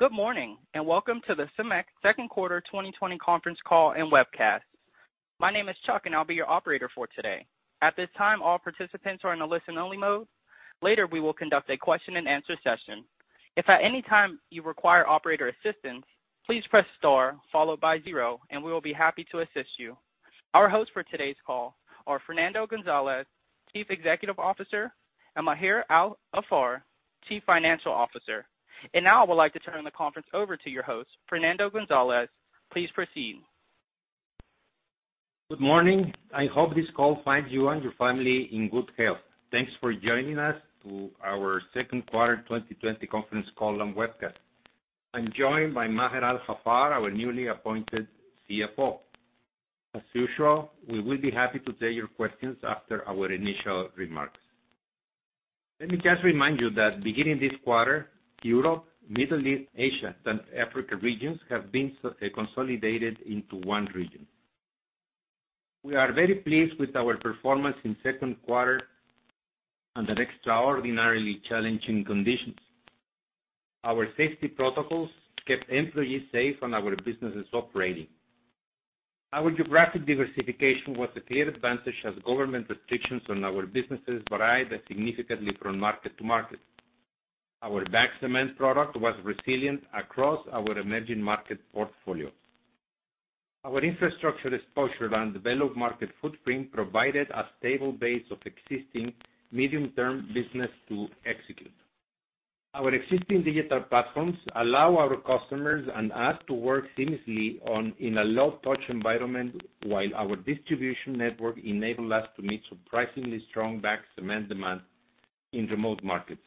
Good morning, and welcome to the CEMEX second quarter 2020 conference call and webcast. My name is Chuck, and I'll be your operator for today. At this time, all participants are in a listen-only mode. Later, we will conduct a question and answer session. If at any time you require operator assistance, please press star followed by zero, and we will be happy to assist you. Our hosts for today's call are Fernando González, Chief Executive Officer, and Maher Al-Haffar, Chief Financial Officer. Now, I would like to turn the conference over to your host, Fernando González. Please proceed. Good morning. I hope this call finds you and your family in good health. Thanks for joining us to our second quarter 2020 conference call and webcast. I'm joined by Maher Al-Haffar, our newly appointed CFO. As usual, we will be happy to take your questions after our initial remarks. Let me just remind you that beginning this quarter, Europe, Middle East, Asia, and Africa regions have been consolidated into one region. We are very pleased with our performance in second quarter under extraordinarily challenging conditions. Our safety protocols kept employees safe and our businesses operating. Our geographic diversification was a clear advantage as government restrictions on our businesses varied significantly from market to market. Our bag cement product was resilient across our emerging market portfolio. Our infrastructure exposure and developed market footprint provided a stable base of existing medium-term business to execute. Our existing digital platforms allow our customers and us to work seamlessly in a low-touch environment, while our distribution network enabled us to meet surprisingly strong bag cement demand in remote markets.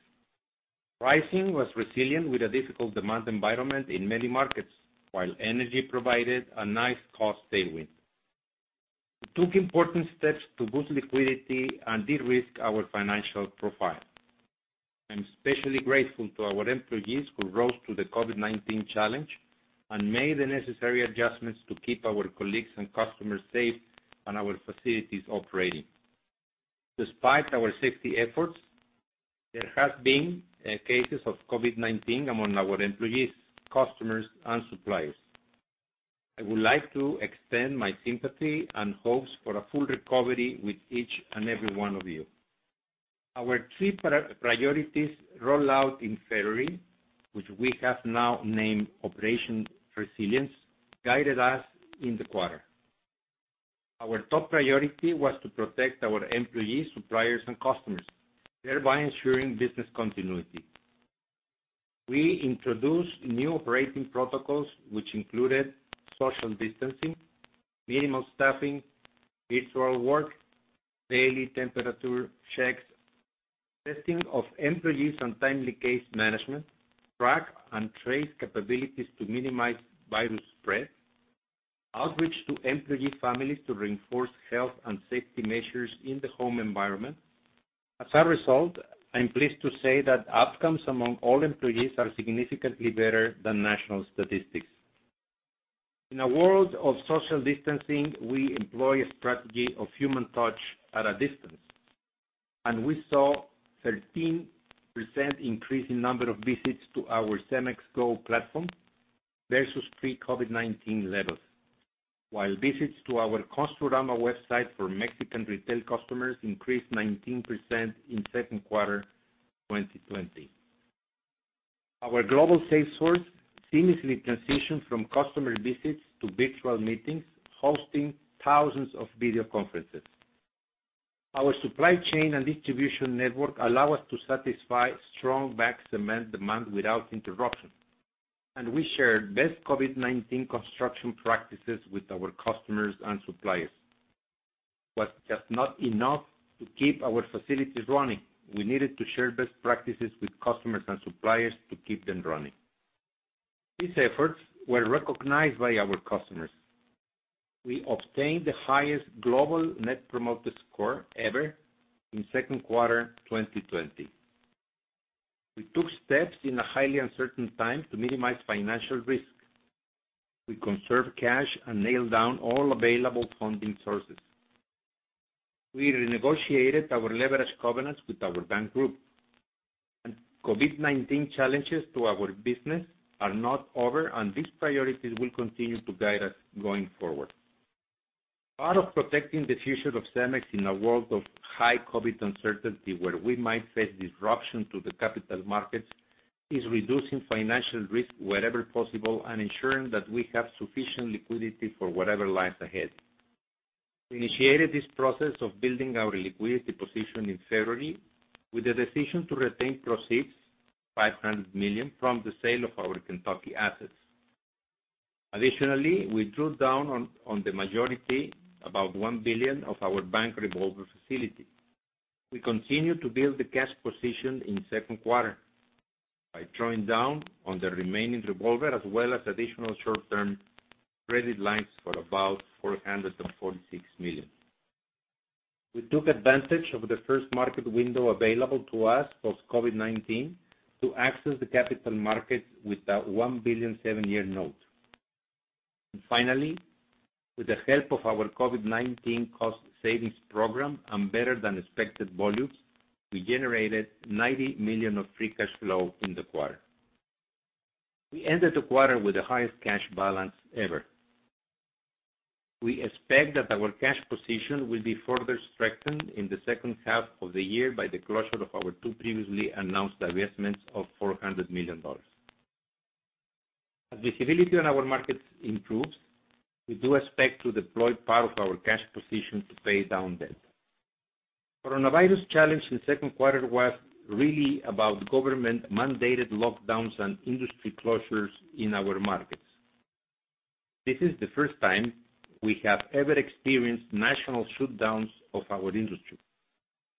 Pricing was resilient with a difficult demand environment in many markets, while energy provided a nice cost tailwind. We took important steps to boost liquidity and de-risk our financial profile. I'm especially grateful to our employees, who rose to the COVID-19 challenge and made the necessary adjustments to keep our colleagues and customers safe and our facilities operating. Despite our safety efforts, there have been cases of COVID-19 among our employees, customers, and suppliers. I would like to extend my sympathy and hopes for a full recovery with each and every one of you. Our three priorities rolled out in February, which we have now named Operation Resilience, guided us in the quarter. Our top priority was to protect our employees, suppliers, and customers, thereby ensuring business continuity. We introduced new operating protocols, which included social distancing, minimal staffing, virtual work, daily temperature checks, testing of employees on timely case management, track and trace capabilities to minimize virus spread, outreach to employee families to reinforce health and safety measures in the home environment. As a result, I am pleased to say that outcomes among all employees are significantly better than national statistics. In a world of social distancing, we employ a strategy of human touch at a distance, and we saw 13% increase in number of visits to our CEMEX Go platform versus pre-COVID-19 levels, while visits to our Construrama website for Mexican retail customers increased 19% in second quarter 2020. Our global sales force seamlessly transitioned from customer visits to virtual meetings, hosting thousands of video conferences. Our supply chain and distribution network allow us to satisfy strong bag cement demand without interruption. We shared best COVID-19 construction practices with our customers and suppliers. It was just not enough to keep our facilities running. We needed to share best practices with customers and suppliers to keep them running. These efforts were recognized by our customers. We obtained the highest global net promoter score ever in second quarter 2020. We took steps in a highly uncertain time to minimize financial risk. We conserved cash and nailed down all available funding sources. We renegotiated our leverage covenants with our bank group. COVID-19 challenges to our business are not over, and these priorities will continue to guide us going forward. Part of protecting the future of CEMEX in a world of high COVID-19 uncertainty where we might face disruption to the capital markets is reducing financial risk wherever possible and ensuring that we have sufficient liquidity for whatever lies ahead. We initiated this process of building our liquidity position in February with a decision to retain proceeds, $500 million, from the sale of our Kentucky assets. Additionally, we drew down on the majority, about $1 billion, of our bank revolver facility. We continued to build the cash position in second quarter by drawing down on the remaining revolver, as well as additional short-term credit lines for about $446 million. We took advantage of the first market window available to us post-COVID-19 to access the capital markets with a $1 billion seven-year note. Finally, with the help of our COVID-19 cost savings program and better than expected volumes, we generated $90 million of free cash flow in the quarter. We ended the quarter with the highest cash balance ever. We expect that our cash position will be further strengthened in the second half of the year by the closure of our two previously announced divestments of $400 million. As visibility on our markets improves, we do expect to deploy part of our cash position to pay down debt. Coronavirus challenge in second quarter was really about government-mandated lockdowns and industry closures in our markets. This is the first time we have ever experienced national shutdowns of our industry.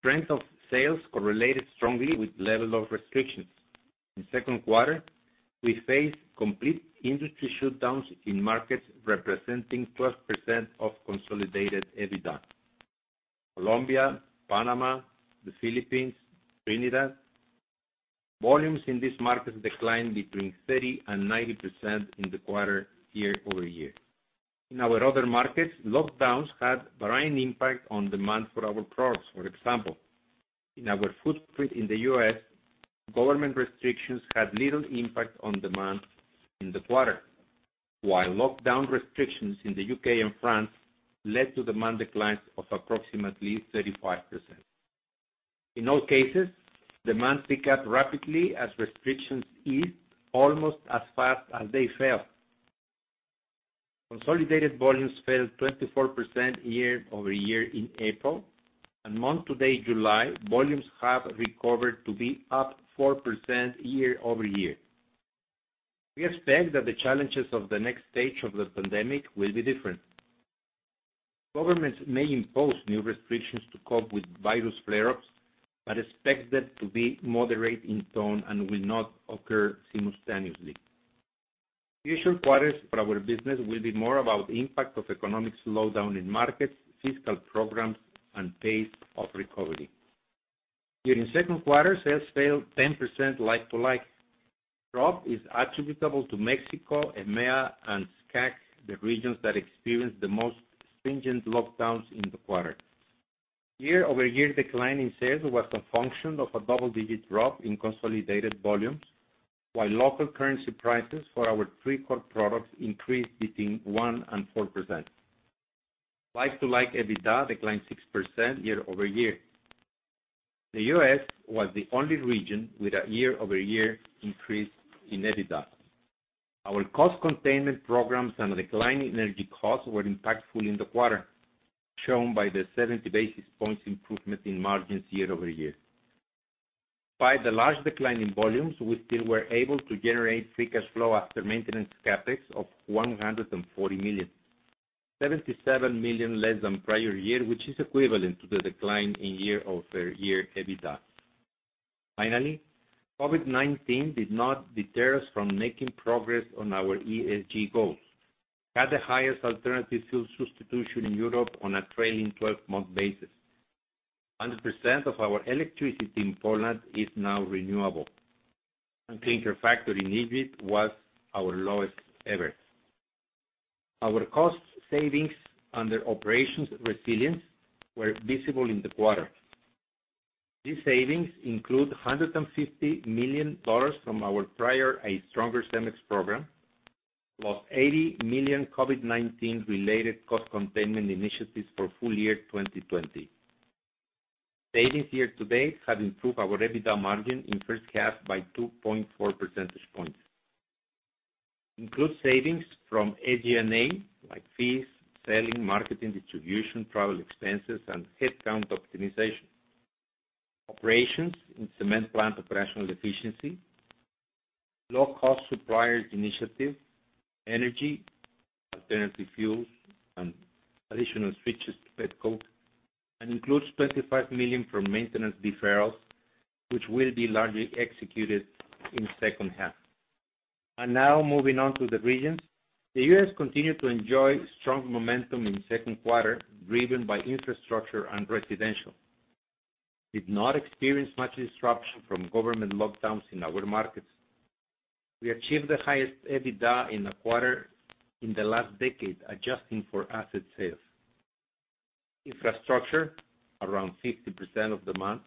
Strength of sales correlated strongly with level of restrictions. In second quarter, we faced complete industry shutdowns in markets representing 12% of consolidated EBITDA. Colombia, Panama, the Philippines, Trinidad. Volumes in these markets declined between 30% and 90% in the quarter year-over-year. In our other markets, lockdowns had varying impact on demand for our products. For example, in our footprint in the U.S., government restrictions had little impact on demand in the quarter. While lockdown restrictions in the U.K. and France led to demand declines of approximately 35%. In all cases, demand picked up rapidly as restrictions eased almost as fast as they fell. Consolidated volumes fell 24% year-over-year in April, and month-to-date July, volumes have recovered to be up 4% year-over-year. We expect that the challenges of the next stage of the pandemic will be different. Governments may impose new restrictions to cope with virus flare-ups, but expect them to be moderate in tone and will not occur simultaneously. Future quarters for our business will be more about impact of economic slowdown in markets, fiscal programs, and pace of recovery. During second quarter, sales fell 10% like-to-like. Drop is attributable to Mexico, EMEA, and SCA&C, the regions that experienced the most stringent lockdowns in the quarter. Year-over-year decline in sales was a function of a double-digit drop in consolidated volumes, while local currency prices for our three core products increased between 1% and 4%. Like-to-like EBITDA declined 6% year-over-year. The U.S. was the only region with a year-over-year increase in EBITDA. Our cost containment programs and declining energy costs were impactful in the quarter, shown by the 70 basis points improvement in margins year-over-year. By the large decline in volumes, we still were able to generate free cash flow after maintenance CapEx of $140 million, $77 million less than prior year, which is equivalent to the decline in year-over-year EBITDA. Finally, COVID-19 did not deter us from making progress on our ESG goals. We had the highest alternative fuel substitution in Europe on a trailing 12-month basis. 100% of our electricity in Poland is now renewable. Clinker factor in Egypt was our lowest ever. Our cost savings under Operation Resilience were visible in the quarter. These savings include $150 million from our prior A Stronger CEMEX program, plus $80 million COVID-19 related cost containment initiatives for full year 2020. Savings year-to-date have improved our EBITDA margin in first half by 2.4 percentage points. Includes savings from SG&A, like fees, selling, marketing, distribution, travel expenses, and headcount optimization. Operations in cement plant operational efficiency, low-cost suppliers initiative, energy, alternative fuels, and additional switches to petcoke, includes $25 million from maintenance deferrals, which will be largely executed in second half. Now moving on to the regions. The U.S. continued to enjoy strong momentum in second quarter, driven by infrastructure and residential. We did not experience much disruption from government lockdowns in our markets. We achieved the highest EBITDA in a quarter in the last decade, adjusting for asset sales. Infrastructure, around 50% of demand,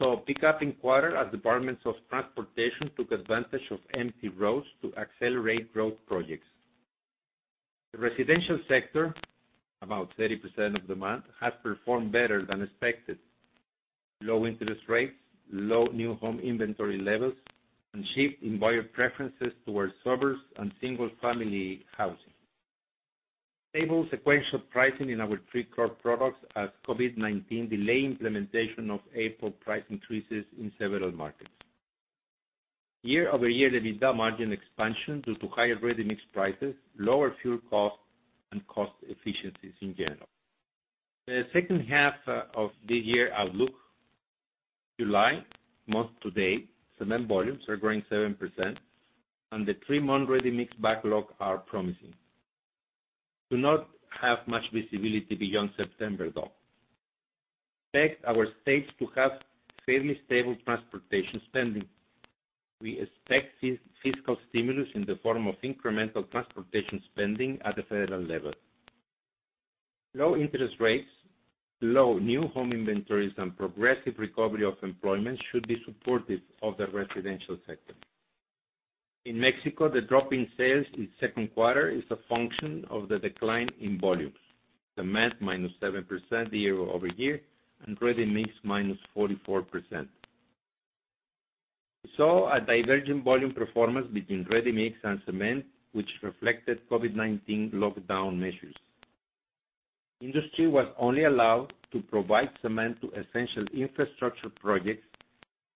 saw a pickup in quarter as departments of transportation took advantage of empty roads to accelerate road projects. The residential sector, about 30% of demand, has performed better than expected. Low interest rates, low new home inventory levels, and shift in buyer preferences towards suburbs and single-family housing. Stable sequential pricing in our three core products as COVID-19 delayed implementation of April price increases in several markets. Year-over-year EBITDA margin expansion due to higher ready-mix prices, lower fuel costs, and cost efficiencies in general. The second half of the year outlook. July month to date, cement volumes are growing 7%, and the three-month ready-mix backlog are promising. Do not have much visibility beyond September, though. Expect our states to have fairly stable transportation spending. We expect fiscal stimulus in the form of incremental transportation spending at the federal level. Low interest rates, low new home inventories, and progressive recovery of employment should be supportive of the residential sector. In Mexico, the drop in sales in second quarter is a function of the decline in volumes. Cement -7% year-over-year, and ready-mix -44%. We saw a divergent volume performance between ready-mix and cement, which reflected COVID-19 lockdown measures. Industry was only allowed to provide cement to essential infrastructure projects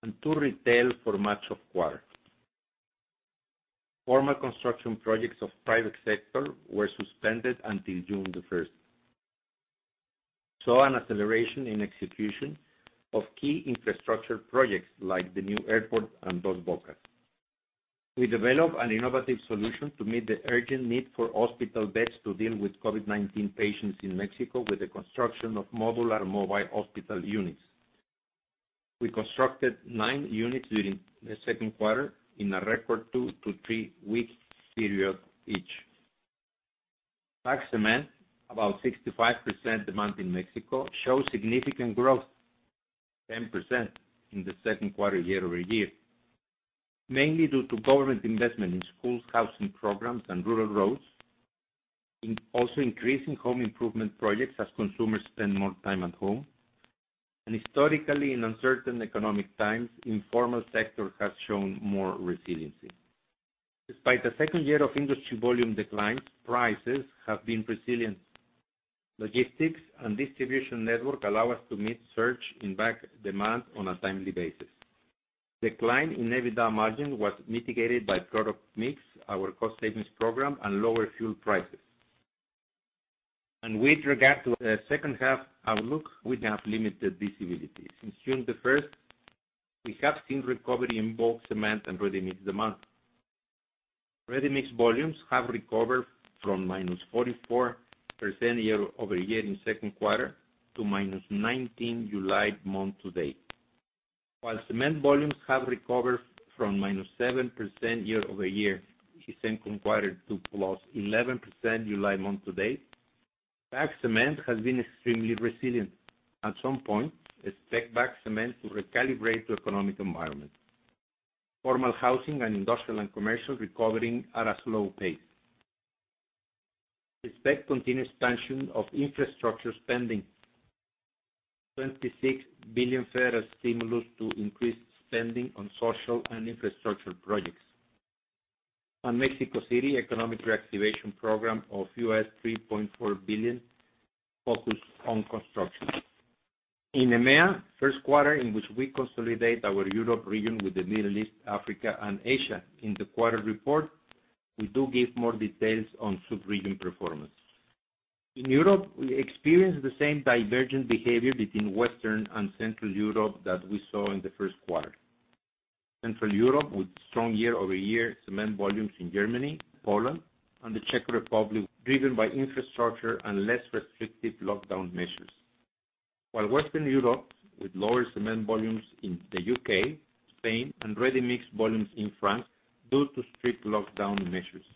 and to retail for much of quarter. Formal construction projects of private sector were suspended until June 1st. We saw an acceleration in execution of key infrastructure projects like the new airport and Dos Bocas. We developed an innovative solution to meet the urgent need for hospital beds to deal with COVID-19 patients in Mexico, with the construction of modular mobile hospital units. We constructed nine units during the second quarter in a record two to three-week period each. Bag cement, about 65% demand in Mexico, shows significant growth, 10% in the second quarter year-over-year, mainly due to government investment in schools, housing programs, and rural roads. Also increasing home improvement projects as consumers spend more time at home. Historically, in uncertain economic times, informal sector has shown more resiliency. Despite the second year of industry volume declines, prices have been resilient. Logistics and distribution network allow us to meet surge in bag demand on a timely basis. Decline in EBITDA margin was mitigated by product mix, our cost savings program, and lower fuel prices. With regard to the second half outlook, we have limited visibility. Since June the 1st, we have seen recovery in both cement and ready-mix demand. Ready-mix volumes have recovered from -44% year-over-year in second quarter to -19% July month-to-date. While cement volumes have recovered from -7% year-over-year in second quarter to +11% July month-to-date, bag cement has been extremely resilient. At some point, expect bag cement to recalibrate to economic environment. Formal housing and industrial and commercial recovering at a slow pace. Expect continued expansion of infrastructure spending. $26 billion federal stimulus to increase spending on social and infrastructure projects. Mexico City economic reactivation program of $3.4 billion focused on construction. In EMEA, first quarter in which we consolidate our Europe region with the Middle East, Africa, and Asia. In the quarter report, we do give more details on sub-region performance. In Europe, we experienced the same divergent behavior between Western and Central Europe that we saw in the first quarter. Central Europe, with strong year-over-year cement volumes in Germany, Poland, and the Czech Republic, driven by infrastructure and less restrictive lockdown measures. Western Europe, with lower cement volumes in the U.K., Spain, and ready-mix volumes in France, due to strict lockdown measures.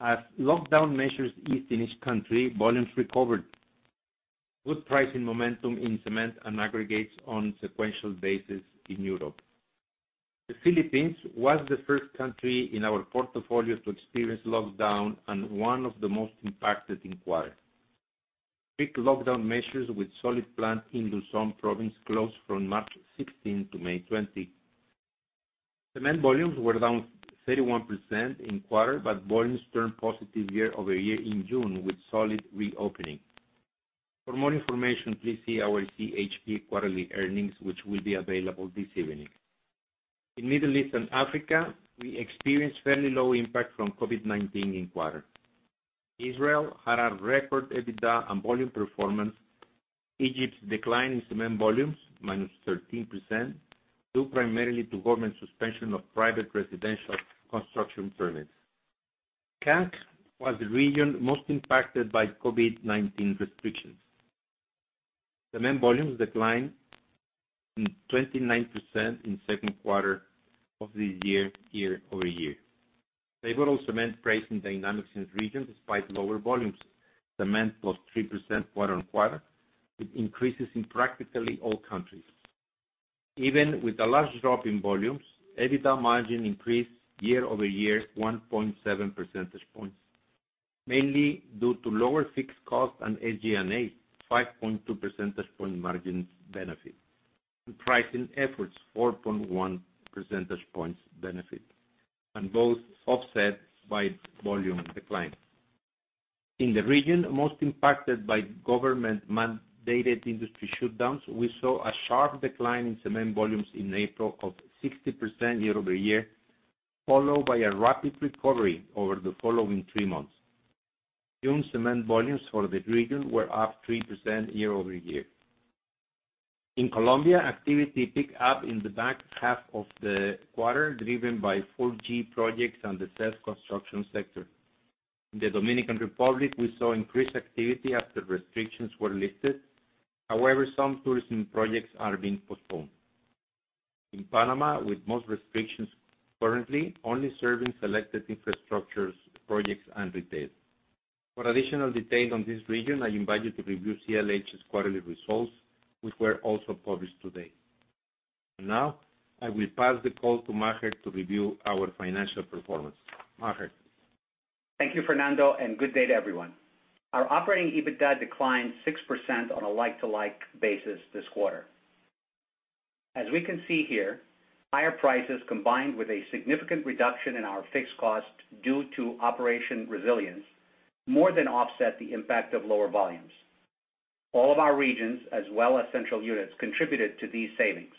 As lockdown measures eased in each country, volumes recovered. Good pricing momentum in cement and aggregates on sequential basis in Europe. The Philippines was the first country in our portfolio to experience lockdown and one of the most impacted in quarter. Strict lockdown measures, with solid plant in Luzon province closed from March 16 to May 20. Cement volumes were down 31% in quarter, but volumes turned positive year-over-year in June, with solid reopening. For more information, please see our CHP quarterly earnings, which will be available this evening. In Middle East and Africa, we experienced fairly low impact from COVID-19 in quarter. Israel had a record EBITDA and volume performance. Egypt's decline in cement volumes, -13%, due primarily to government suspension of private residential construction permits. SCA&C was the region most impacted by COVID-19 restrictions. Cement volumes declined 29% in second quarter of this year-over-year. Favorable cement pricing dynamics in the region despite lower volumes. Cement was 3% quarter-on-quarter, with increases in practically all countries. Even with a large drop in volumes, EBITDA margin increased year-over-year 1.7 percentage points, mainly due to lower fixed cost and SG&A, 5.2 percentage point margins benefit. Pricing efforts, 4.1 percentage points benefit. Both offset by volume decline. In the region most impacted by government-mandated industry shutdowns, we saw a sharp decline in cement volumes in April of 60% year-over-year, followed by a rapid recovery over the following three months. June cement volumes for the region were up 3% year-over-year. In Colombia, activity picked up in the back half of the quarter, driven by 4G projects and the self construction sector. In the Dominican Republic, we saw increased activity after restrictions were lifted. However, some tourism projects are being postponed. In Panama, with most restrictions currently only serving selected infrastructure projects and retail. For additional details on this region, I invite you to review CLH's quarterly results, which were also published today. Now, I will pass the call to Maher to review our financial performance. Maher? Thank you, Fernando, and good day to everyone. Our operating EBITDA declined 6% on a like-to-like basis this quarter. As we can see here, higher prices combined with a significant reduction in our fixed costs due to Operation Resilience, more than offset the impact of lower volumes. All of our regions, as well as central units, contributed to these savings.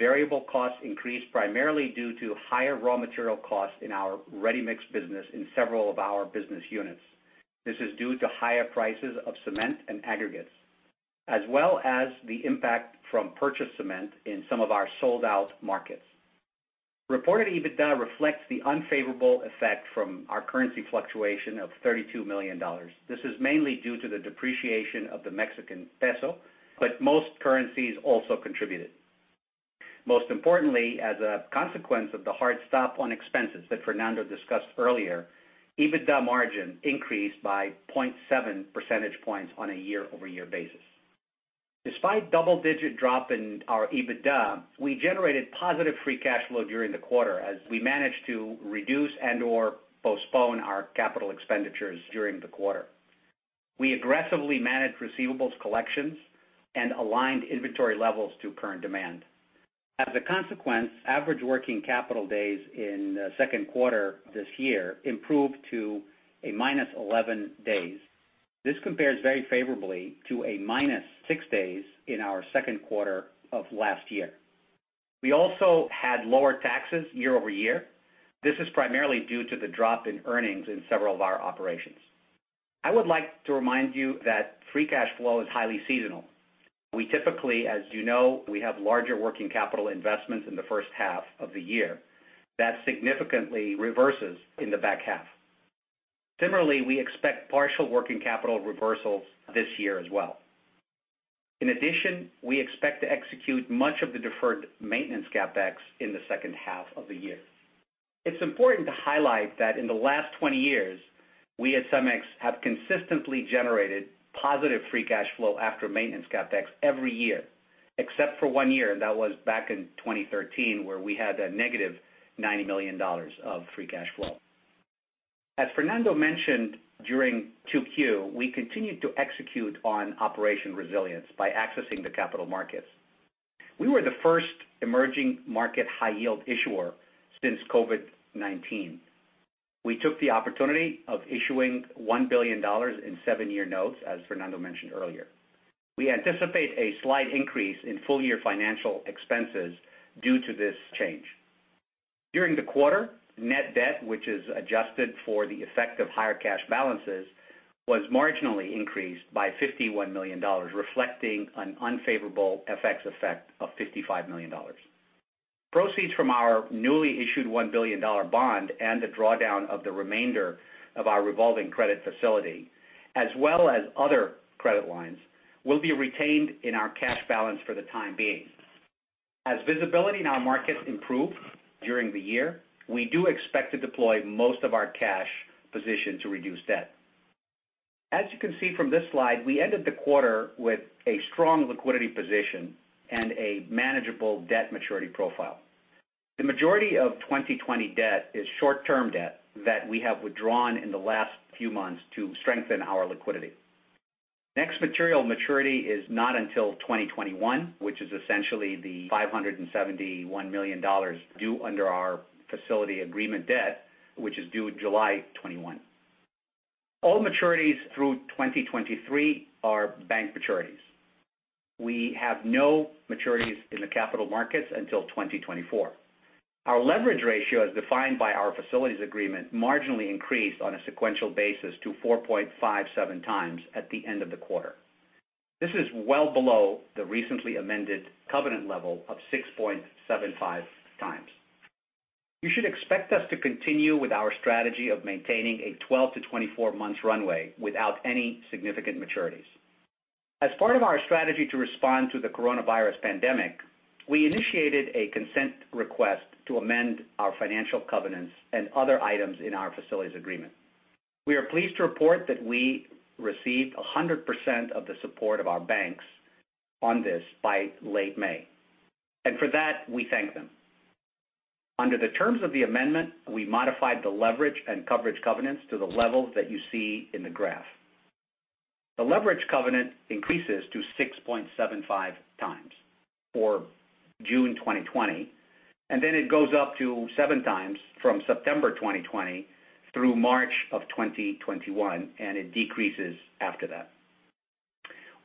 Variable costs increased primarily due to higher raw material costs in our ready-mix business in several of our business units. This is due to higher prices of cement and aggregates, as well as the impact from purchased cement in some of our sold-out markets. Reported EBITDA reflects the unfavorable effect from our currency fluctuation of $32 million. This is mainly due to the depreciation of the Mexican peso, but most currencies also contributed. Most importantly, as a consequence of the hard stop on expenses that Fernando discussed earlier, EBITDA margin increased by 0.7 percentage points on a year-over-year basis. Despite double-digit drop in our EBITDA, we generated positive free cash flow during the quarter as we managed to reduce and/or postpone our capital expenditures during the quarter. We aggressively managed receivables collections and aligned inventory levels to current demand. As a consequence, average working capital days in the second quarter this year improved to a -11 days. This compares very favorably to a minus six days in our second quarter of last year. We also had lower taxes year-over-year. This is primarily due to the drop in earnings in several of our operations. I would like to remind you that free cash flow is highly seasonal. We typically, as you know, we have larger working capital investments in the first half of the year. That significantly reverses in the back half. Similarly, we expect partial working capital reversals this year as well. In addition, we expect to execute much of the deferred maintenance CapEx in the second half of the year. It is important to highlight that in the last 20 years, we at CEMEX have consistently generated positive free cash flow after maintenance CapEx every year, except for one year, and that was back in 2013 when we had a -$90 million of free cash flow. As Fernando mentioned during 2Q, we continued to execute on Operation Resilience by accessing the capital markets. We were the first emerging market high yield issuer since COVID-19. We took the opportunity of issuing $1 billion in seven-year notes, as Fernando mentioned earlier. We anticipate a slight increase in full-year financial expenses due to this change. During the quarter, net debt, which is adjusted for the effect of higher cash balances, was marginally increased by $51 million, reflecting an unfavorable FX effect of $55 million. Proceeds from our newly issued $1 billion bond and the drawdown of the remainder of our revolving credit facility, as well as other credit lines, will be retained in our cash balance for the time being. As visibility in our market improve during the year, we do expect to deploy most of our cash position to reduce debt. As you can see from this slide, we ended the quarter with a strong liquidity position and a manageable debt maturity profile. The majority of 2020 debt is short-term debt that we have withdrawn in the last few months to strengthen our liquidity. Next material maturity is not until 2021, which is essentially the $571 million due under our facilities agreement debt, which is due July 21. All maturities through 2023 are bank maturities. We have no maturities in the capital markets until 2024. Our leverage ratio, as defined by our facilities agreement, marginally increased on a sequential basis to 4.57x at the end of the quarter. This is well below the recently amended covenant level of 6.75x. You should expect us to continue with our strategy of maintaining a 12 to 24 months runway without any significant maturities. As part of our strategy to respond to the coronavirus pandemic, we initiated a consent request to amend our financial covenants and other items in our facilities agreement. We are pleased to report that we received 100% of the support of our banks on this by late May. For that, we thank them. Under the terms of the amendment, we modified the leverage and coverage covenants to the level that you see in the graph. The leverage covenant increases to 6.75x for June 2020, and then it goes up to 7x from September 2020 through March of 2021, and it decreases after that.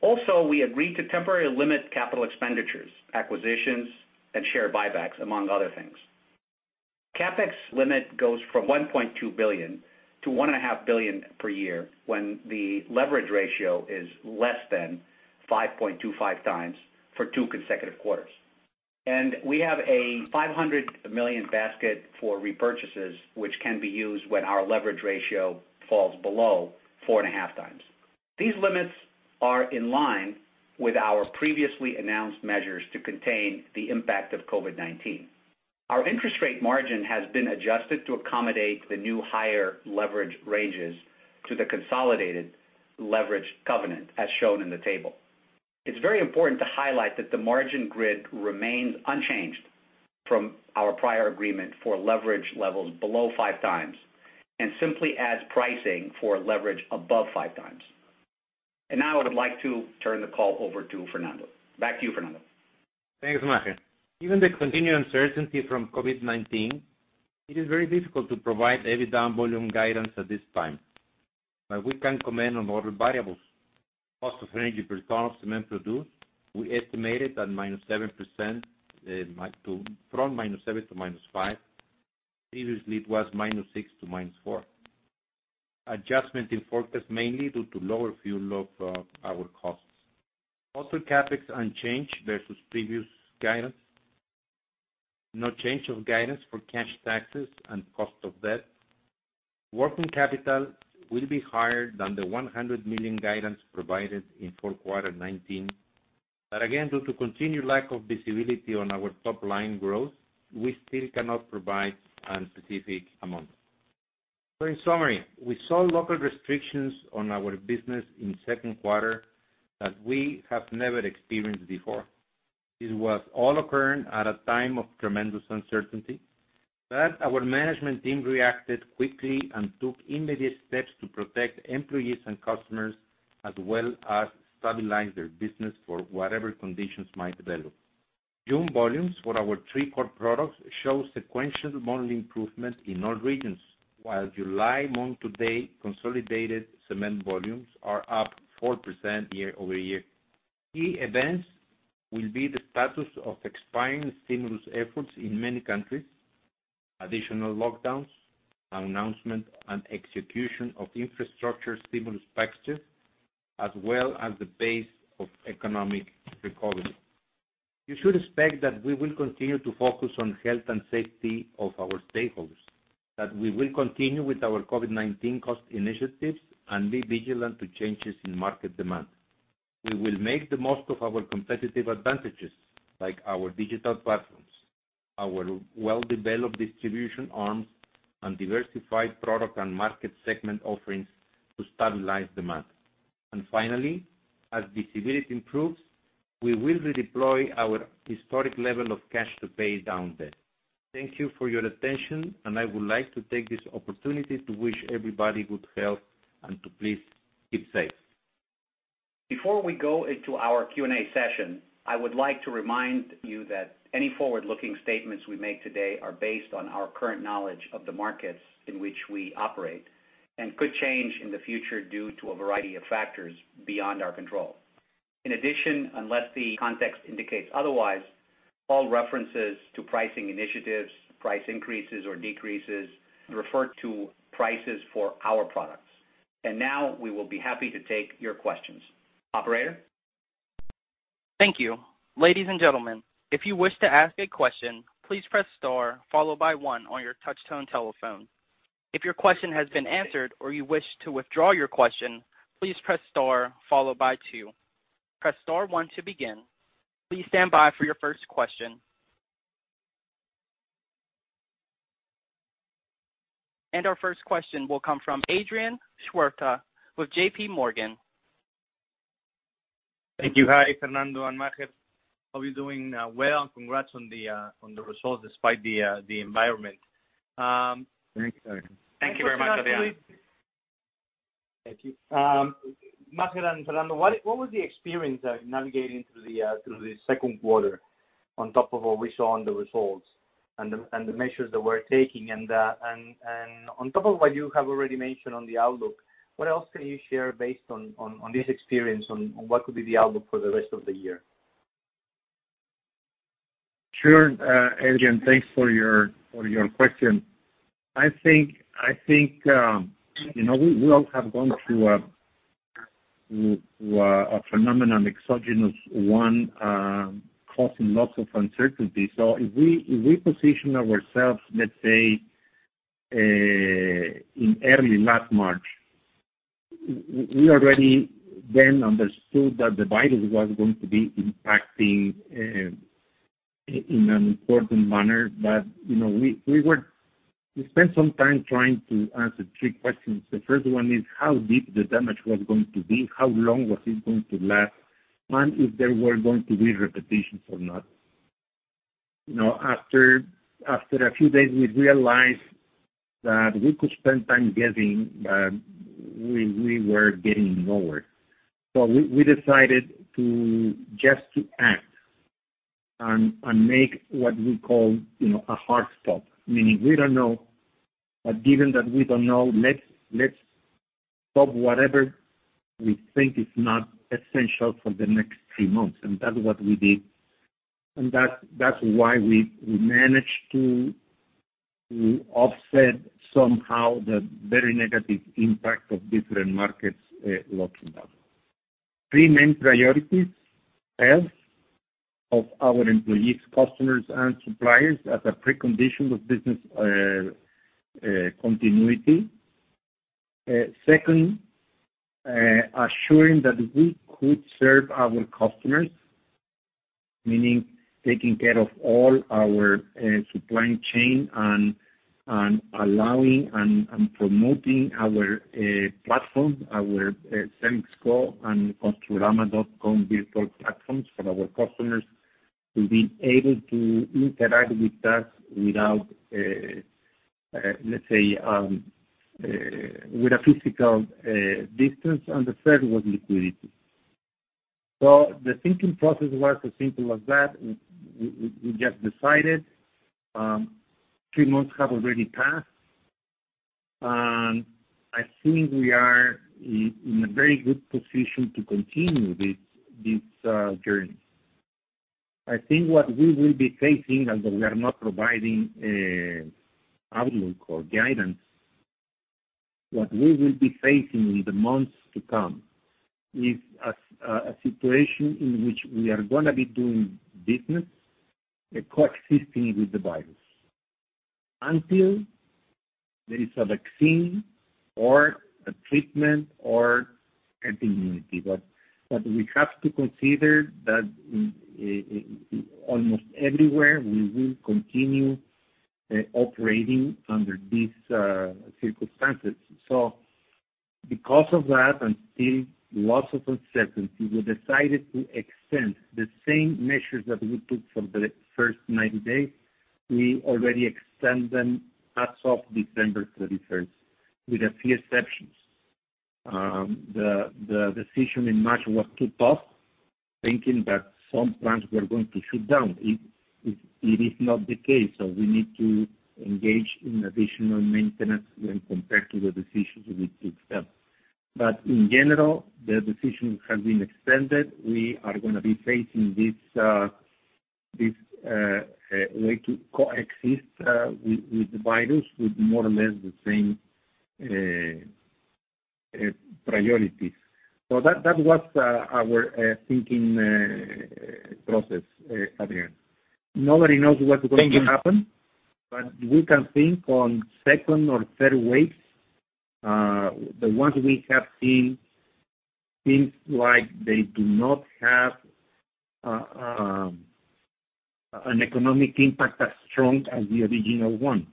Also, we agreed to temporarily limit capital expenditures, acquisitions, and share buybacks, among other things. CapEx limit goes from $1.2 billion to $1.5 billion per year when the leverage ratio is less than 5.25x for two consecutive quarters. We have a $500 million basket for repurchases, which can be used when our leverage ratio falls below 4.5x. These limits are in line with our previously announced measures to contain the impact of COVID-19. Our interest rate margin has been adjusted to accommodate the new higher leverage ranges to the consolidated leverage covenant, as shown in the table. It's very important to highlight that the margin grid remains unchanged from our prior agreement for leverage levels below 5x, and simply adds pricing for leverage above 5x. Now I would like to turn the call over to Fernando. Back to you, Fernando. Thanks, Maher. Given the continued uncertainty from COVID-19, it is very difficult to provide EBITDA volume guidance at this time. We can comment on other variables. Cost of energy per ton of cement produced, we estimate it at -7% to -5%. Previously, it was -6% to -4%. Adjustment in forecast mainly due to lower fuel of power costs. Also, CapEx unchanged versus previous guidance. No change of guidance for cash taxes and cost of debt. Working capital will be higher than the $100 million guidance provided in fourth quarter 2019. Again, due to continued lack of visibility on our top-line growth, we still cannot provide a specific amount. In summary, we saw local restrictions on our business in second quarter that we have never experienced before. This was all occurring at a time of tremendous uncertainty. Our management team reacted quickly and took immediate steps to protect employees and customers, as well as stabilize their business for whatever conditions might develop. June volumes for our three core products show sequential monthly improvement in all regions. While July month-to-date, consolidated cement volumes are up 4% year-over-year. Key events will be the status of expiring stimulus efforts in many countries, additional lockdowns, announcement and execution of infrastructure stimulus packages, as well as the pace of economic recovery. You should expect that we will continue to focus on health and safety of our stakeholders, that we will continue with our COVID-19 cost initiatives and be vigilant to changes in market demand. We will make the most of our competitive advantages, like our digital platforms, our well-developed distribution arms, and diversified product and market segment offerings to stabilize demand. Finally, as visibility improves, we will redeploy our historic level of cash to pay down debt. Thank you for your attention, and I would like to take this opportunity to wish everybody good health and to please keep safe. Before we go into our Q&A session, I would like to remind you that any forward-looking statements we make today are based on our current knowledge of the markets in which we operate and could change in the future due to a variety of factors beyond our control. In addition, unless the context indicates otherwise, all references to pricing initiatives, price increases, or decreases refer to prices for our products. Now we will be happy to take your questions. Operator? Thank you. Ladies and gentlemen, if you wish to ask a question, please press star followed by one on your touch-tone telephone. If your question has been answered or you wish to withdraw your question, please press star followed by two. Press star one to begin. Please stand by for your first question. Our first question will come from Adrian Huerta with JPMorgan. Thank you. Hi, Fernando and Maher. Hope you're doing well, and congrats on the results despite the environment. Thanks, Adrian. Thank you very much, Adrian. Thank you. Maher and Fernando, what was the experience navigating through the second quarter on top of what we saw on the results and the measures that we're taking? On top of what you have already mentioned on the outlook, what else can you share based on this experience on what could be the outlook for the rest of the year? Sure, Adrian. Thanks for your question. I think we all have gone through a phenomenon, exogenous one, causing lots of uncertainty. If we position ourselves, let's say, in early last March, we already then understood that the virus was going to be impacting in an important manner. We spent some time trying to answer three questions. The first one is, how deep the damage was going to be? How long was it going to last? If there were going to be repetitions or not. After a few days, we realized that we could spend time guessing, but we were getting nowhere. We decided just to act and make what we call a hard stop, meaning given that we don't know, let's stop whatever we think is not essential for the next three months. That's what we did. That's why we managed to offset somehow the very negative impact of different markets locking down. Three main priorities: health of our employees, customers, and suppliers as a precondition of business continuity. Second, assuring that we could serve our customers, meaning taking care of all our supply chain and allowing and promoting our platform, our CEMEX Go and construrama.com virtual platforms for our customers to be able to interact with us with a physical distance. The third was liquidity. The thinking process was as simple as that. We just decided. Three months have already passed. I think we are in a very good position to continue this journey. I think what we will be facing, although we are not providing outlook or guidance, what we will be facing in the months to come is a situation in which we are going to be doing business, coexisting with the virus, until there is a vaccine, or a treatment, or herd immunity. We have to consider that almost everywhere, we will continue operating under these circumstances. Because of that, and still lots of uncertainty, we decided to extend the same measures that we took for the first 90 days. We already extend them as of December 31st, with a few exceptions. The decision in March was to pause, thinking that some plants were going to shut down. It is not the case, so we need to engage in additional maintenance when compared to the decisions we took then. In general, the decision has been extended. We are going to be facing this way to coexist with the virus with more or less the same priorities. That was our thinking process, Adrian. Nobody knows. Thank you. What is going to happen. We can think on second or third waves. The ones we have seen seem like they do not have an economic impact as strong as the original one.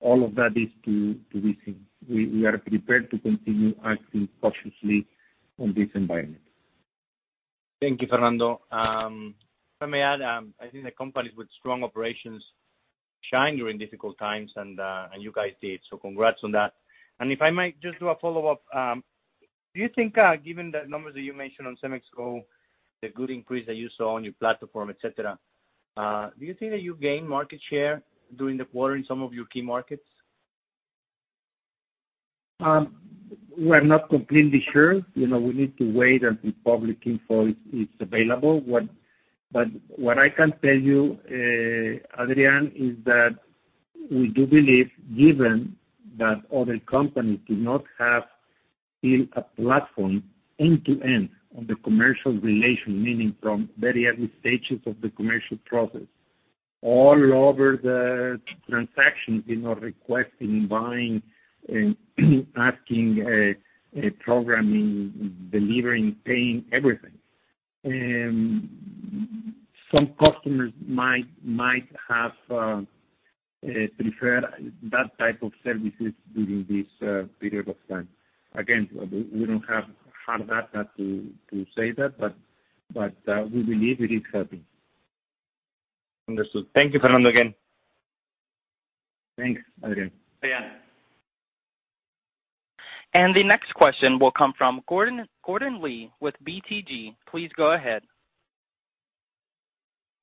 All of that is to be seen. We are prepared to continue acting cautiously in this environment. Thank you, Fernando. If I may add, I think the companies with strong operations shine during difficult times, and you guys did. Congrats on that. If I might just do a follow-up, do you think, given the numbers that you mentioned on CEMEX Go, the good increase that you saw on your platform, et cetera, do you think that you gained market share during the quarter in some of your key markets? We're not completely sure. We need to wait until public info is available. What I can tell you, Adrian, is that we do believe, given that other companies did not have build a platform end-to-end on the commercial relation, meaning from very early stages of the commercial process, all over the transaction, requesting, buying, asking, programming, delivering, paying, everything. Some customers might have preferred that type of services during this period of time. Again, we don't have hard data to say that, but we believe it is helping. Understood. Thank you, Fernando, again. Thanks, Adrian. The next question will come from Gordon Lee with BTG. Please go ahead.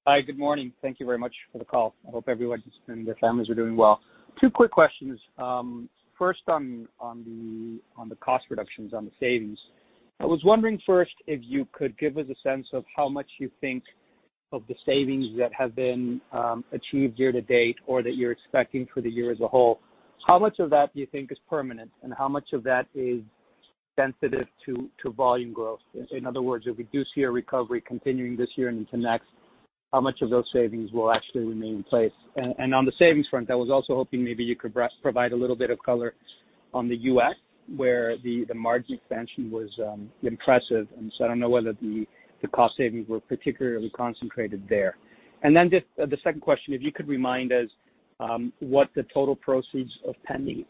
Hi. Good morning. Thank you very much for the call. I hope everyone and their families are doing well. Two quick questions. First on the cost reductions, on the savings. I was wondering first if you could give us a sense of how much you think of the savings that have been achieved year to date or that you're expecting for the year as a whole. How much of that do you think is permanent, and how much of that is sensitive to volume growth? In other words, if we do see a recovery continuing this year and into next, how much of those savings will actually remain in place? On the savings front, I was also hoping maybe you could provide a little bit of color on the U.S., where the margin expansion was impressive, and so I don't know whether the cost savings were particularly concentrated there. Just the second question, if you could remind us what the total proceeds of pending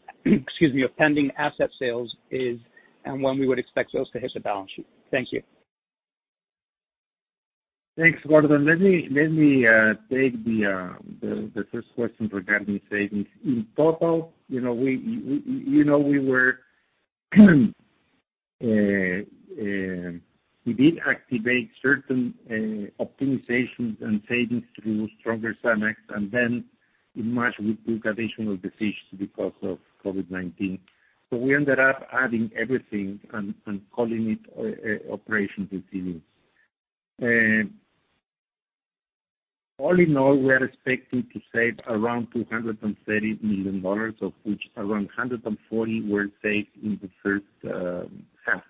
asset sales is and when we would expect those to hit the balance sheet. Thank you. Thanks, Gordon. Let me take the first question regarding savings. In total, we did activate certain optimizations and savings through A Stronger CEMEX. In March, we took additional decisions because of COVID-19. We ended up adding everything and calling it operations improvements. All in all, we are expecting to save around $230 million, of which around $140 million were saved in the first half.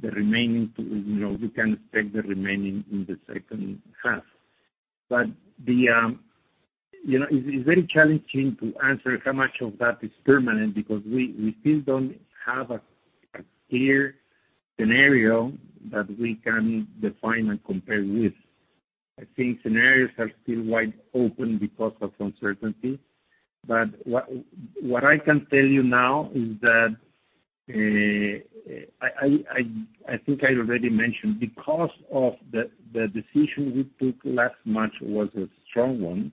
We can expect the remaining in the second half. It's very challenging to answer how much of that is permanent, because we still don't have a clear scenario that we can define and compare with. I think scenarios are still wide open because of uncertainty. What I can tell you now is that, I think I already mentioned, because of the decision we took last March was a strong one.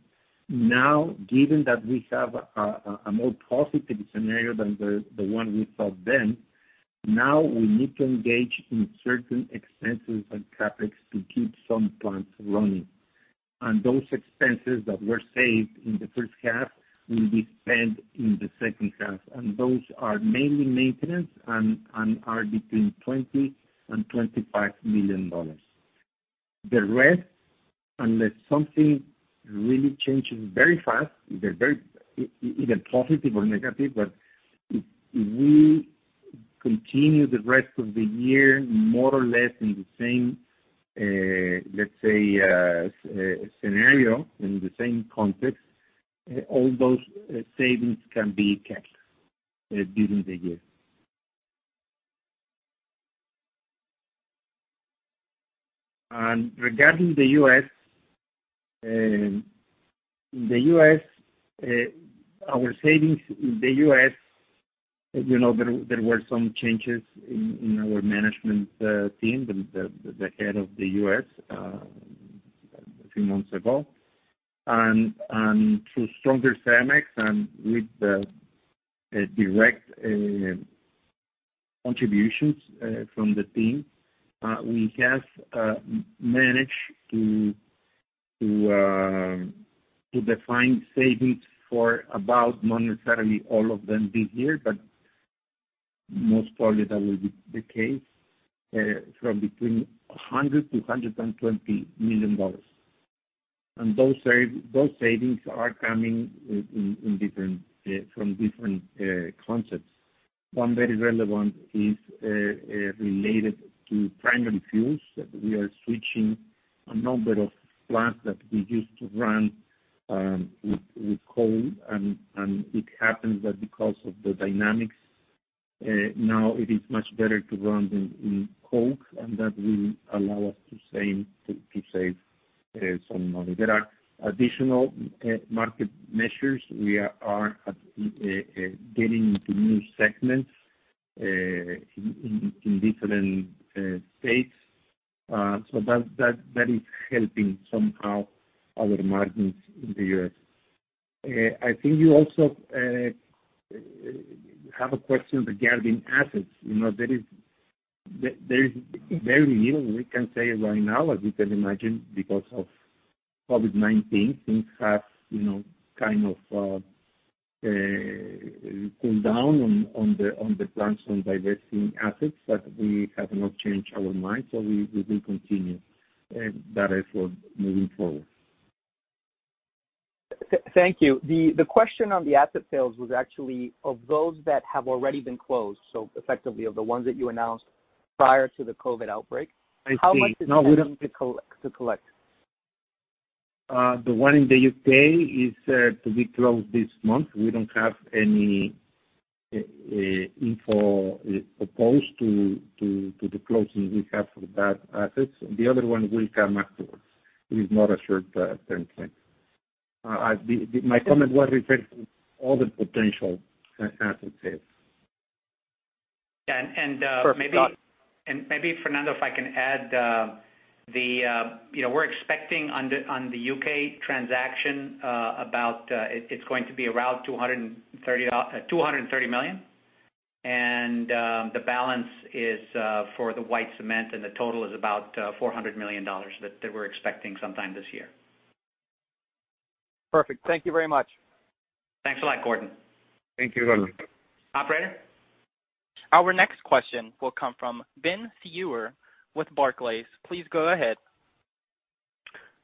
Given that we have a more positive scenario than the one we thought then, now we need to engage in certain expenses and CapEx to keep some plants running. Those expenses that were saved in the first half will be spent in the second half. Those are mainly maintenance and are between $20 million and $25 million. The rest, unless something really changes very fast, either positive or negative, but if we continue the rest of the year, more or less in the same, let's say, scenario, in the same context, all those savings can be kept during the year. Regarding the U.S., our savings in the U.S., there were some changes in our management team, the head of the U.S., a few months ago. Through A Stronger CEMEX and with direct contributions from the team, we have managed to define savings for about, not necessarily all of them this year, but most probably that will be the case, from between $100 million-$120 million. Those savings are coming from different concepts. One very relevant is related to primary fuels. We are switching a number of plants that we used to run with coal, and it happens that because of the dynamics, now it is much better to run in coke, and that will allow us to save some money. There are additional market measures. We are getting into new segments in different states. That is helping somehow our margins in the U.S. I think you also have a question regarding assets. There is very little we can say right now. As you can imagine, because of COVID-19, things have kind of cooled down on the plans on divesting assets. We have not changed our minds, so we will continue that effort moving forward. Thank you. The question on the asset sales was actually of those that have already been closed, so effectively, of the ones that you announced prior to the COVID-19 outbreak? I see. No. How much is pending to collect? The one in the U.K. is to be closed this month. We don't have any info opposed to the closing we have for that asset. The other one will come afterwards. It is not a short-term thing. My comment was referring to all the potential asset sales. Yeah. Perfect, got it. Maybe, Fernando, if I can add, we're expecting on the U.K. transaction, it's going to be around $230 million. The balance is for the white cement, and the total is about $400 million that we're expecting sometime this year. Perfect. Thank you very much. Thanks a lot, Gordon. Thank you, Gordon. Operator? Our next question will come from Ben Theurer with Barclays. Please go ahead.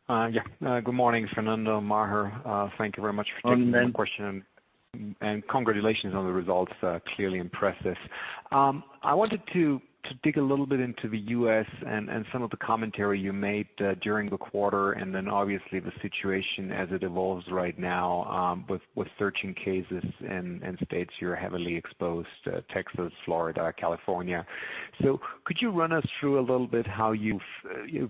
Yeah. Good morning, Fernando, Maher. Thank you very much for taking my question. Good morning. Congratulations on the results. Clearly impressive. I wanted to dig a little bit into the U.S. and some of the commentary you made during the quarter, and then obviously the situation as it evolves right now with surging cases in states you're heavily exposed, Texas, Florida, California. Could you run us through a little bit how you've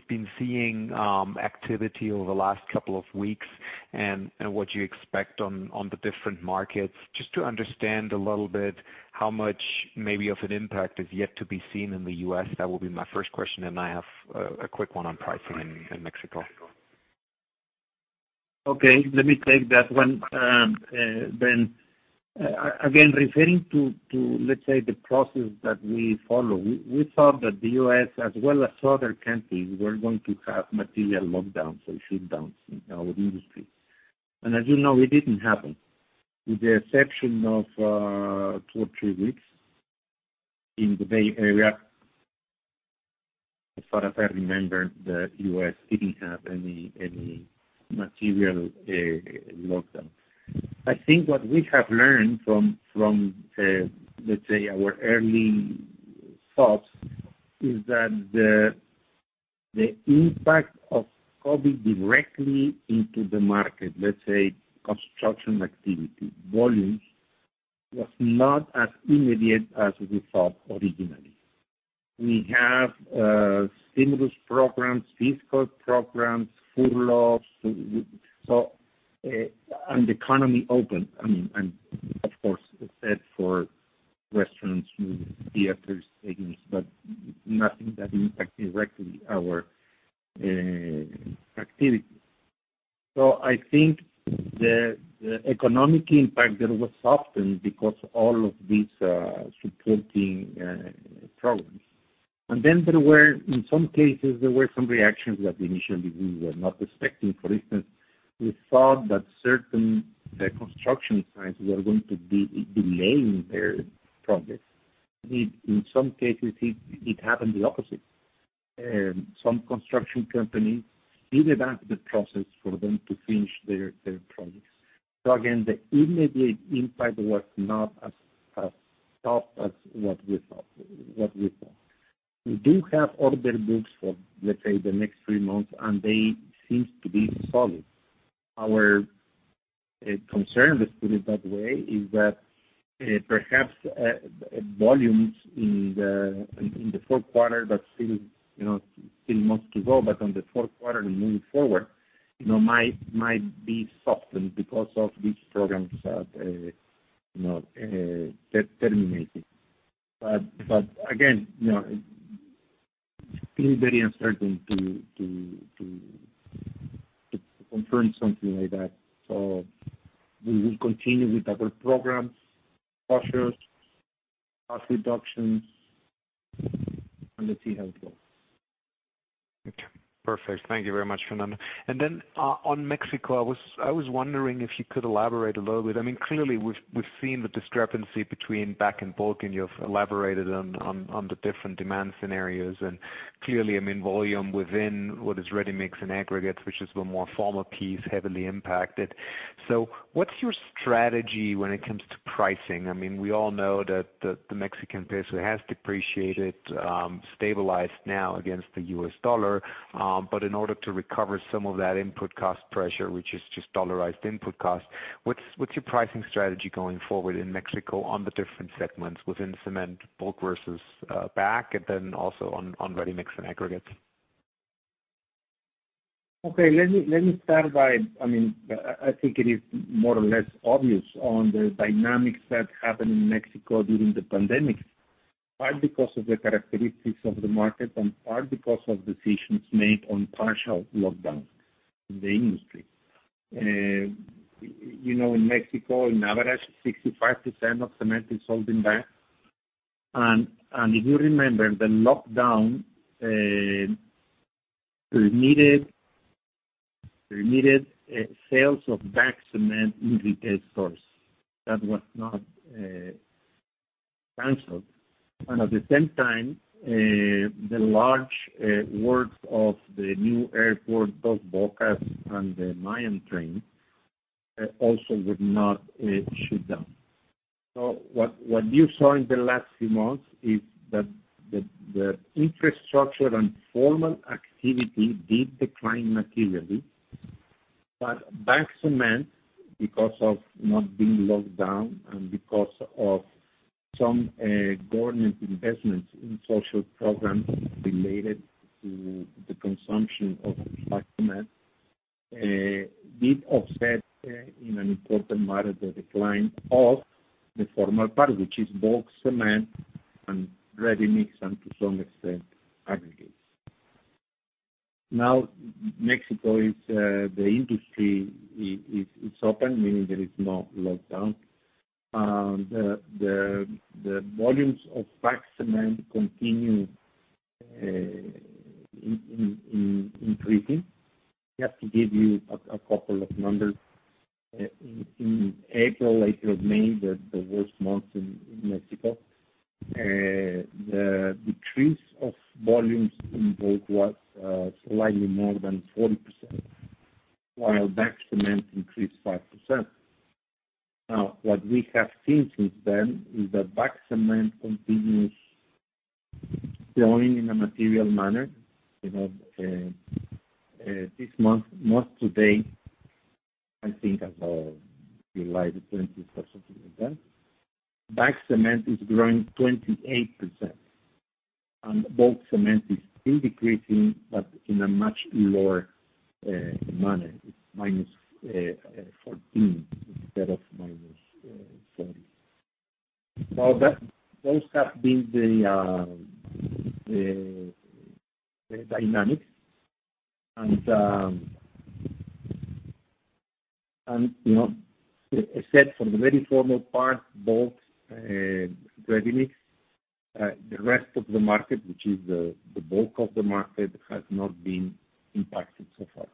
been seeing activity over the last couple of weeks and what you expect on the different markets, just to understand a little bit how much maybe of an impact is yet to be seen in the U.S.? That will be my first question, and I have a quick one on pricing in Mexico. Okay, let me take that one, Ben. Referring to, let's say, the process that we follow, we thought that the U.S. as well as other countries were going to have material lockdowns or shutdowns in our industry. As you know, it didn't happen. With the exception of two or three weeks in the Bay Area, as far as I remember, the U.S. didn't have any material lockdown. I think what we have learned from, let's say, our early thoughts, is that the impact of COVID directly into the market, let's say, construction activity volumes, was not as immediate as we thought originally. We have stimulus programs, fiscal programs, furloughs, and the economy open. Of course, except for restaurants, theaters, stadiums, but nothing that impacts directly our activities. I think the economic impact there was softened because all of these supporting programs. In some cases, there were some reactions that initially we were not expecting. For instance, we thought that certain construction sites were going to be delaying their progress. In some cases, it happened the opposite. Some construction companies speeded up the process for them to finish their projects. Again, the immediate impact was not as tough as what we thought. We do have order books for, let's say, the next three months, and they seem to be solid. Our concern, let's put it that way, is that perhaps volumes in the fourth quarter, but still months to go, but on the fourth quarter and moving forward, might be softened because of these programs terminating. Again, it's still very uncertain to confirm something like that. We will continue with our programs, measures, cost reductions, and let's see how it goes. Okay, perfect. Thank you very much, Fernando. On Mexico, I was wondering if you could elaborate a little bit. Clearly, we've seen the discrepancy between bag and bulk, and you've elaborated on the different demand scenarios. Clearly, volume within what is ready-mix and aggregates, which is the more formal piece, heavily impacted. What's your strategy when it comes to pricing? We all know that the Mexican peso has depreciated, stabilized now against the U.S. dollar. In order to recover some of that input cost pressure, which is just dollarized input cost, what's your pricing strategy going forward in Mexico on the different segments within cement, bulk versus bag, and then also on ready-mix and aggregates? Okay. Let me start by, I think it is more or less obvious on the dynamics that happened in Mexico during the pandemic, part because of the characteristics of the market and part because of decisions made on partial lockdown in the industry. In Mexico, on average, 65% of cement is sold in bags. If you remember, the lockdown permitted sales of bag cement in retail stores. That was not canceled. At the same time, the large works of the new airport, Dos Bocas, and the Mayan Train, also would not shut down. What you saw in the last few months is that the infrastructure and formal activity did decline materially. Bag cement, because of not being locked down and because of some government investments in social programs related to the consumption of bag cement, did offset in an important manner the decline of the formal part, which is bulk cement and ready-mix, and to some extent, aggregates. Mexico, the industry is open, meaning there is no lockdown. The volumes of bag cement continue increasing. Just to give you a couple of numbers. In April, I think, or May, the worst month in Mexico, the decrease of volumes in bulk was slightly more than 40%, while bag cement increased 5%. What we have seen since then is that bag cement continues growing in a material manner. This month to date, I think as of July the 20th or something like that, bag cement is growing 28%, and bulk cement is still decreasing, but in a much lower manner. It's -14% instead of [-40%]. Those have been the dynamics, and except for the very formal part, bulk, ready-mix, the rest of the market, which is the bulk of the market, has not been impacted so far.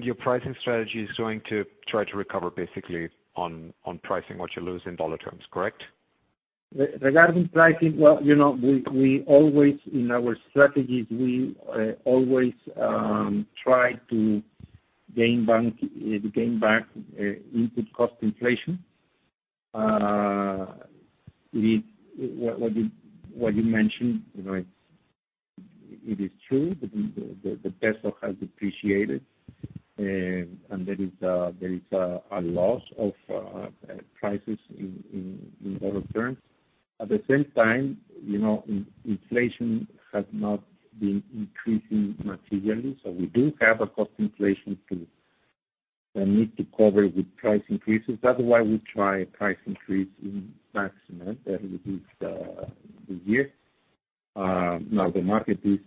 Your pricing strategy is going to try to recover basically on pricing what you lose in dollar terms, correct? Regarding pricing, in our strategies, we always try to gain back input cost inflation. What you mentioned, it is true. The peso has depreciated, and there is a loss of prices in dollar terms. We do have a cost inflation need to cover with price increases. That's why we try price increase in cement early this year. The market is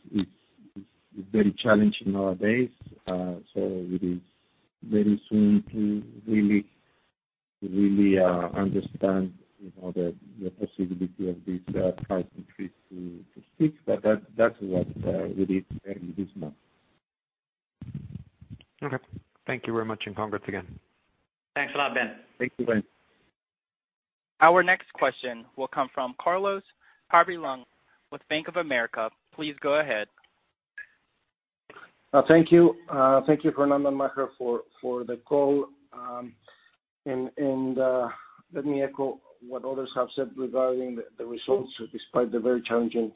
very challenging nowadays, so it is very soon to really understand the possibility of this price increase to stick, but that's what we did early this month. Okay. Thank you very much, and congrats again. Thanks a lot, Ben. Thank you, Ben. Our next question will come from Carlos Peyrelongue with Bank of America. Please go ahead. Thank you. Thank you, Fernando and Maher, for the call. Let me echo what others have said regarding the results. Despite the very challenging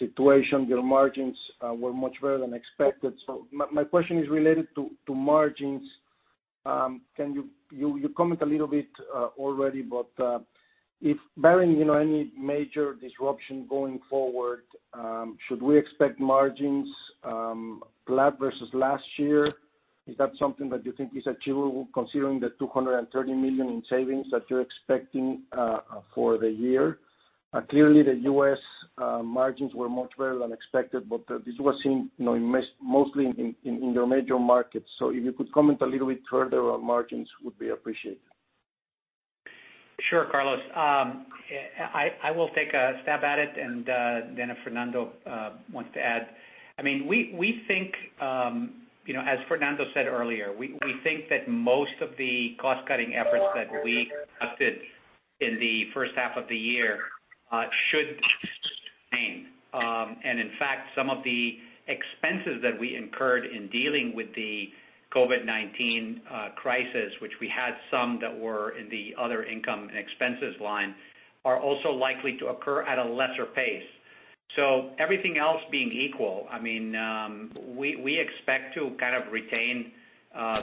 situation, your margins were much better than expected. My question is related to margins. You comment a little bit already, but if barring any major disruption going forward, should we expect margins flat versus last year? Is that something that you think is achievable considering the $230 million in savings that you're expecting for the year? Clearly, the U.S. margins were much better than expected, but this was seen mostly in your major markets. If you could comment a little bit further on margins, would be appreciated. Sure, Carlos. I will take a stab at it, if Fernando wants to add. As Fernando said earlier, we think that most of the cost-cutting efforts that we invested in the first half of the year should sustain. In fact, some of the expenses that we incurred in dealing with the COVID-19 crisis, which we had some that were in the other income and expenses line, are also likely to occur at a lesser pace. Everything else being equal, we expect to kind of retain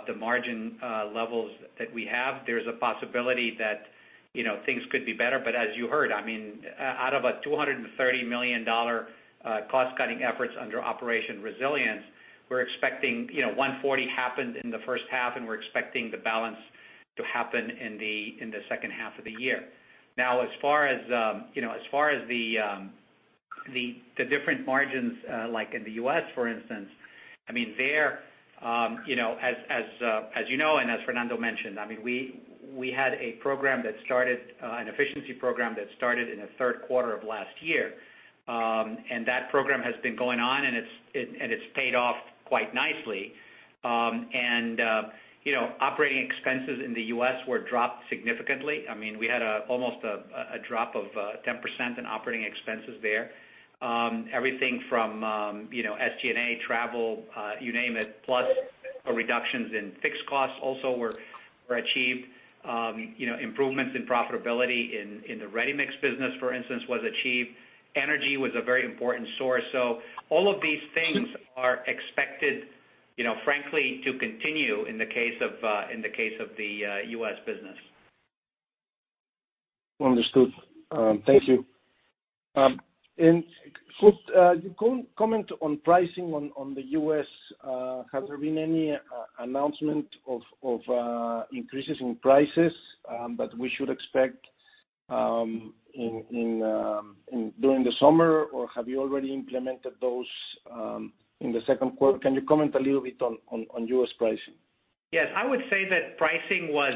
the margin levels that we have. There's a possibility that things could be better. As you heard, out of a $230 million cost-cutting efforts under Operation Resilience, we're expecting $140 million happened in the first half, and we're expecting the balance to happen in the second half of the year. As far as the different margins, like in the U.S., for instance, as you know and as Fernando mentioned, we had an efficiency program that started in the third quarter of last year. That program has been going on, and it's paid off quite nicely. Operating expenses in the U.S. were dropped significantly. We had almost a drop of 10% in operating expenses there. Everything from SG&A, travel, you name it, plus reductions in fixed costs also were achieved. Improvements in profitability in the ready-mix business, for instance, was achieved. Energy was a very important source. All of these things are expected, frankly, to continue in the case of the U.S. business. Understood. Thank you. Could you comment on pricing on the U.S.? Has there been any announcement of increases in prices that we should expect during the summer, or have you already implemented those in the second quarter? Can you comment a little bit on U.S. pricing? I would say that pricing was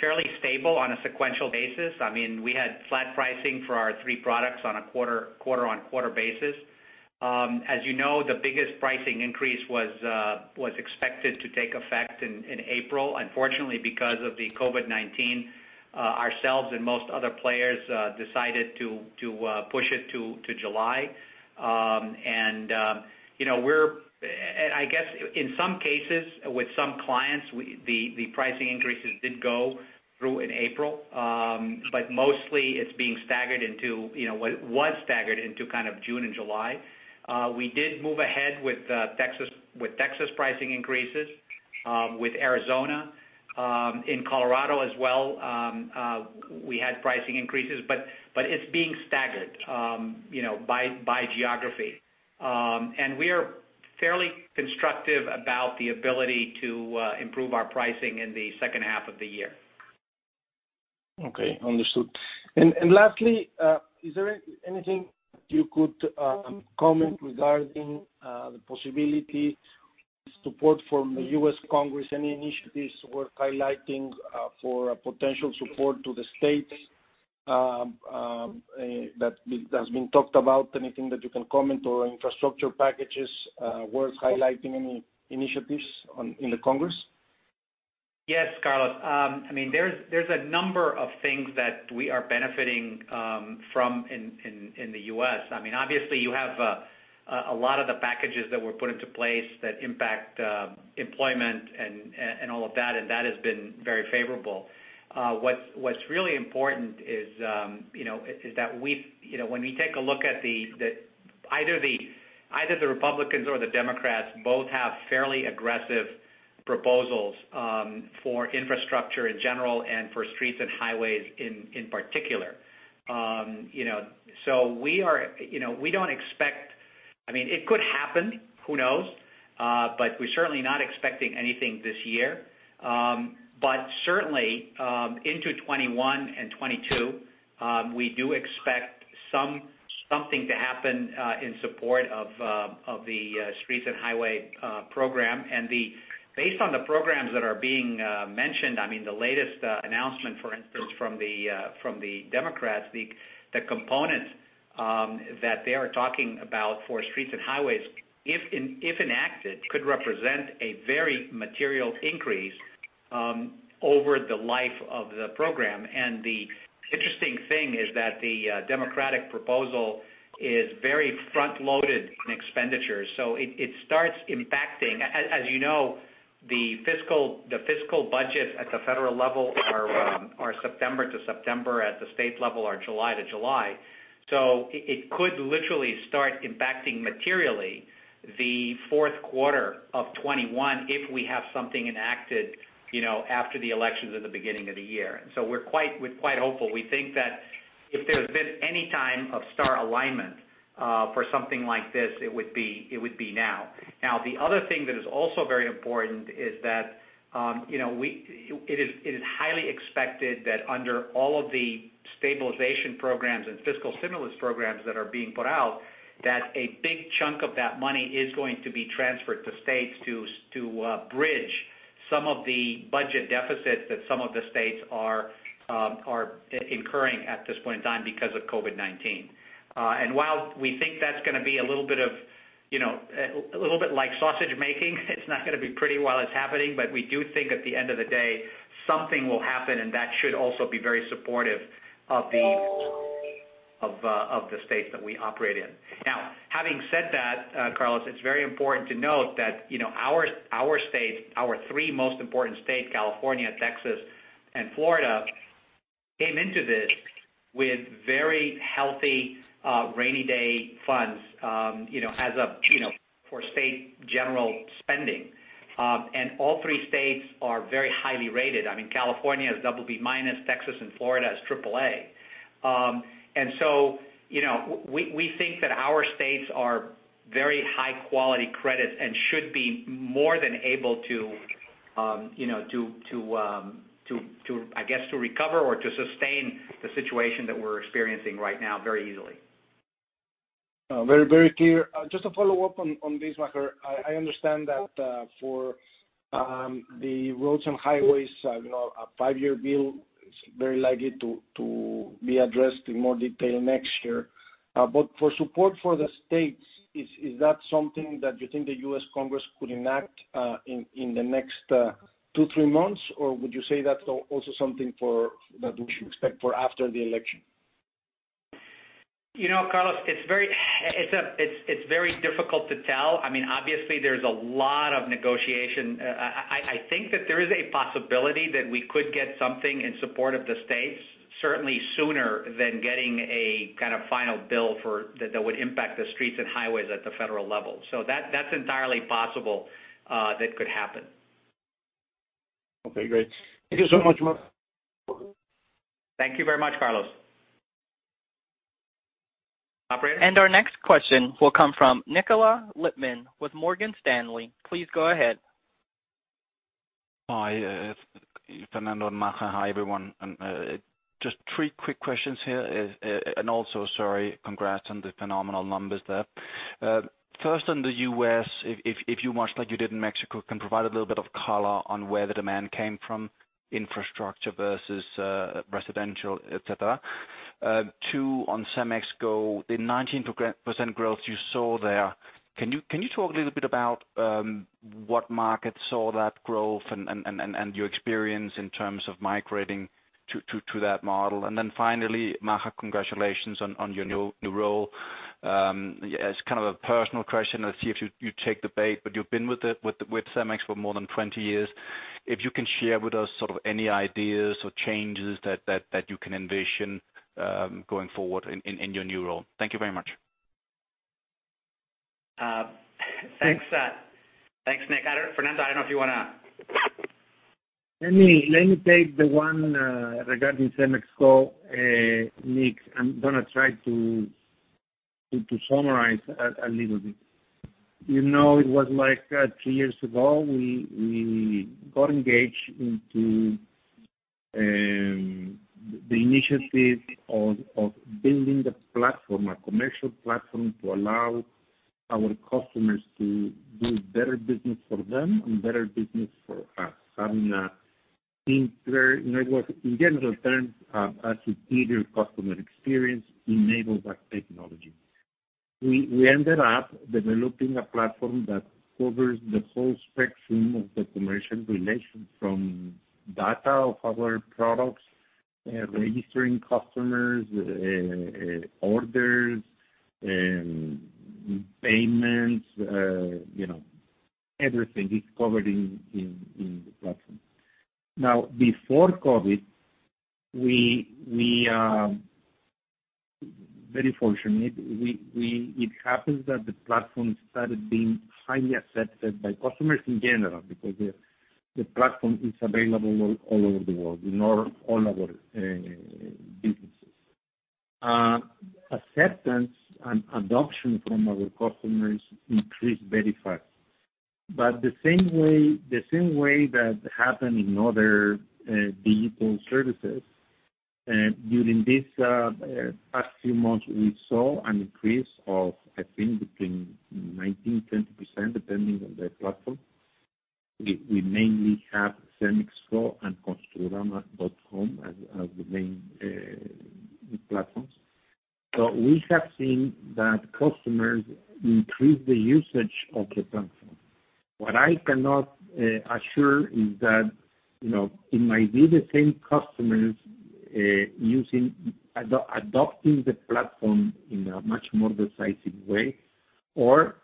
fairly stable on a sequential basis. We had flat pricing for our three products on a quarter-on-quarter basis. As you know, the biggest pricing increase was expected to take effect in April. Unfortunately, because of the COVID-19, ourselves and most other players decided to push it to July. I guess in some cases, with some clients, the pricing increases did go through in April. Mostly it's being staggered into kind of June and July. We did move ahead with Texas pricing increases, with Arizona. In Colorado as well, we had pricing increases. It's being staggered by geography. We are fairly constructive about the ability to improve our pricing in the second half of the year. Okay. Understood. Lastly, is there anything you could comment regarding the possibility of support from the U.S. Congress, any initiatives worth highlighting for potential support to the states that has been talked about? Anything that you can comment or infrastructure packages worth highlighting, any initiatives in the Congress? Yes, Carlos. There's a number of things that we are benefiting from in the U.S. Obviously, you have a lot of the packages that were put into place that impact employment and all of that, and that has been very favorable. What's really important is that when we take a look at either the Republicans or the Democrats, both have fairly aggressive proposals for infrastructure in general, and for streets and highways in particular. We don't expect-- It could happen, who knows? But we're certainly not expecting anything this year. Certainly, into 2021 and 2022, we do expect something to happen in support of the streets and highway program. Based on the programs that are being mentioned, the latest announcement, for instance, from the Democrats, the component that they are talking about for streets and highways, if enacted, could represent a very material increase over the life of the program. The interesting thing is that the Democratic proposal is very front-loaded in expenditures. It starts impacting, as you know, the fiscal budget at the federal level are September to September, at the state level are July to July. It could literally start impacting materially the fourth quarter of 2021 if we have something enacted after the elections at the beginning of the year. We're quite hopeful. We think that if there's been any time of star alignment for something like this, it would be now. The other thing that is also very important is that it is highly expected that under all of the stabilization programs and fiscal stimulus programs that are being put out, that a big chunk of that money is going to be transferred to states to bridge some of the budget deficits that some of the states are incurring at this point in time because of COVID-19. While we think that's going to be a little bit like sausage making, it's not going to be pretty while it's happening, but we do think at the end of the day, something will happen, and that should also be very supportive of the states that we operate in. Having said that, Carlos, it's very important to note that our states, our three most important states, California, Texas, and Florida, came into this with very healthy rainy day funds for state general spending. All three states are very highly rated. California is BB-, Texas and Florida is AAA. We think that our states are very high-quality credit and should be more than able to, I guess, recover or to sustain the situation that we're experiencing right now very easily. V?ry clear. Just a follow-up on this, Maher. I understand that for the roads and highways, a five-year bill is very likely to be addressed in more detail next year. For support for the states, is that something that you think the U.S. Congress could enact in the next two, three months? Would you say that's also something that we should expect for after the election? Carlos, it's very difficult to tell. Obviously, there's a lot of negotiation. I think that there is a possibility that we could get something in support of the states, certainly sooner than getting a kind of final bill that would impact the streets and highways at the federal level. That's entirely possible that could happen. Okay, great. Thank you so much, Maher. Thank you very much, Carlos. Operator? Our next question will come from Nikolaj Lippmann with Morgan Stanley. Please go ahead. Hi, Fernando and Maher. Hi, everyone. Just three quick questions here. Sorry, congrats on the phenomenal numbers there. First, on the U.S., if you much like you did in Mexico, can provide a little bit of color on where the demand came from, infrastructure versus residential, et cetera. Two, on CEMEX Go, the 19% growth you saw there, can you talk a little bit about what markets saw that growth and your experience in terms of migrating to that model? Then finally, Maher, congratulations on your new role. As kind of a personal question, let's see if you take the bait, but you've been with CEMEX for more than 20 years. If you can share with us sort of any ideas or changes that you can envision going forward in your new role. Thank you very much. Thanks, Nik. Fernando, I don't know if you want to. Let me take the one regarding CEMEX Go, Nik. I'm going to try to summarize a little bit. You know, it was like three years ago, we got engaged into. The initiative of building the platform, a commercial platform, to allow our customers to do better business for them and better business for us. In general terms, a superior customer experience enabled by technology. We ended up developing a platform that covers the whole spectrum of the commercial relation, from data of our products, registering customers, orders, and payments. Everything is covered in the platform. Before COVID-19, we are very fortunate. It happens that the platform started being highly accepted by customers in general, because the platform is available all over the world, in all our businesses. Acceptance and adoption from our customers increased very fast. The same way that happened in other B2C services, during these past few months, we saw an increase of, I think, between 19%-20%, depending on the platform. We mainly have CEMEX Go and construrama.com as the main platforms. We have seen that customers increased the usage of the platform. What I cannot assure is that it might be the same customers adopting the platform in a much more decisive way, or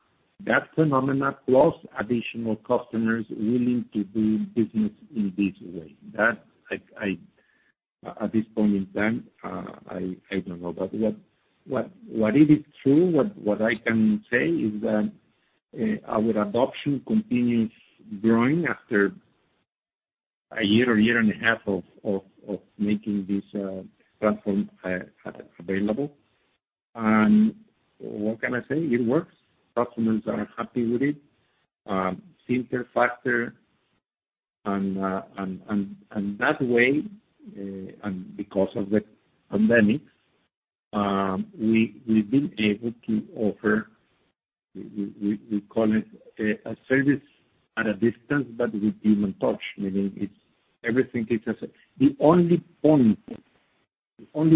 that phenomenon plus additional customers willing to do business in this way. That, at this point in time, I don't know. What is true, what I can say, is that our adoption continues growing after a year or year and a half of making this platform available. What can I say. It works. Customers are happy with it. Simpler factor. That way, and because of the pandemic, we've been able to offer, we call it, a service at a distance, but with human touch. Meaning, the only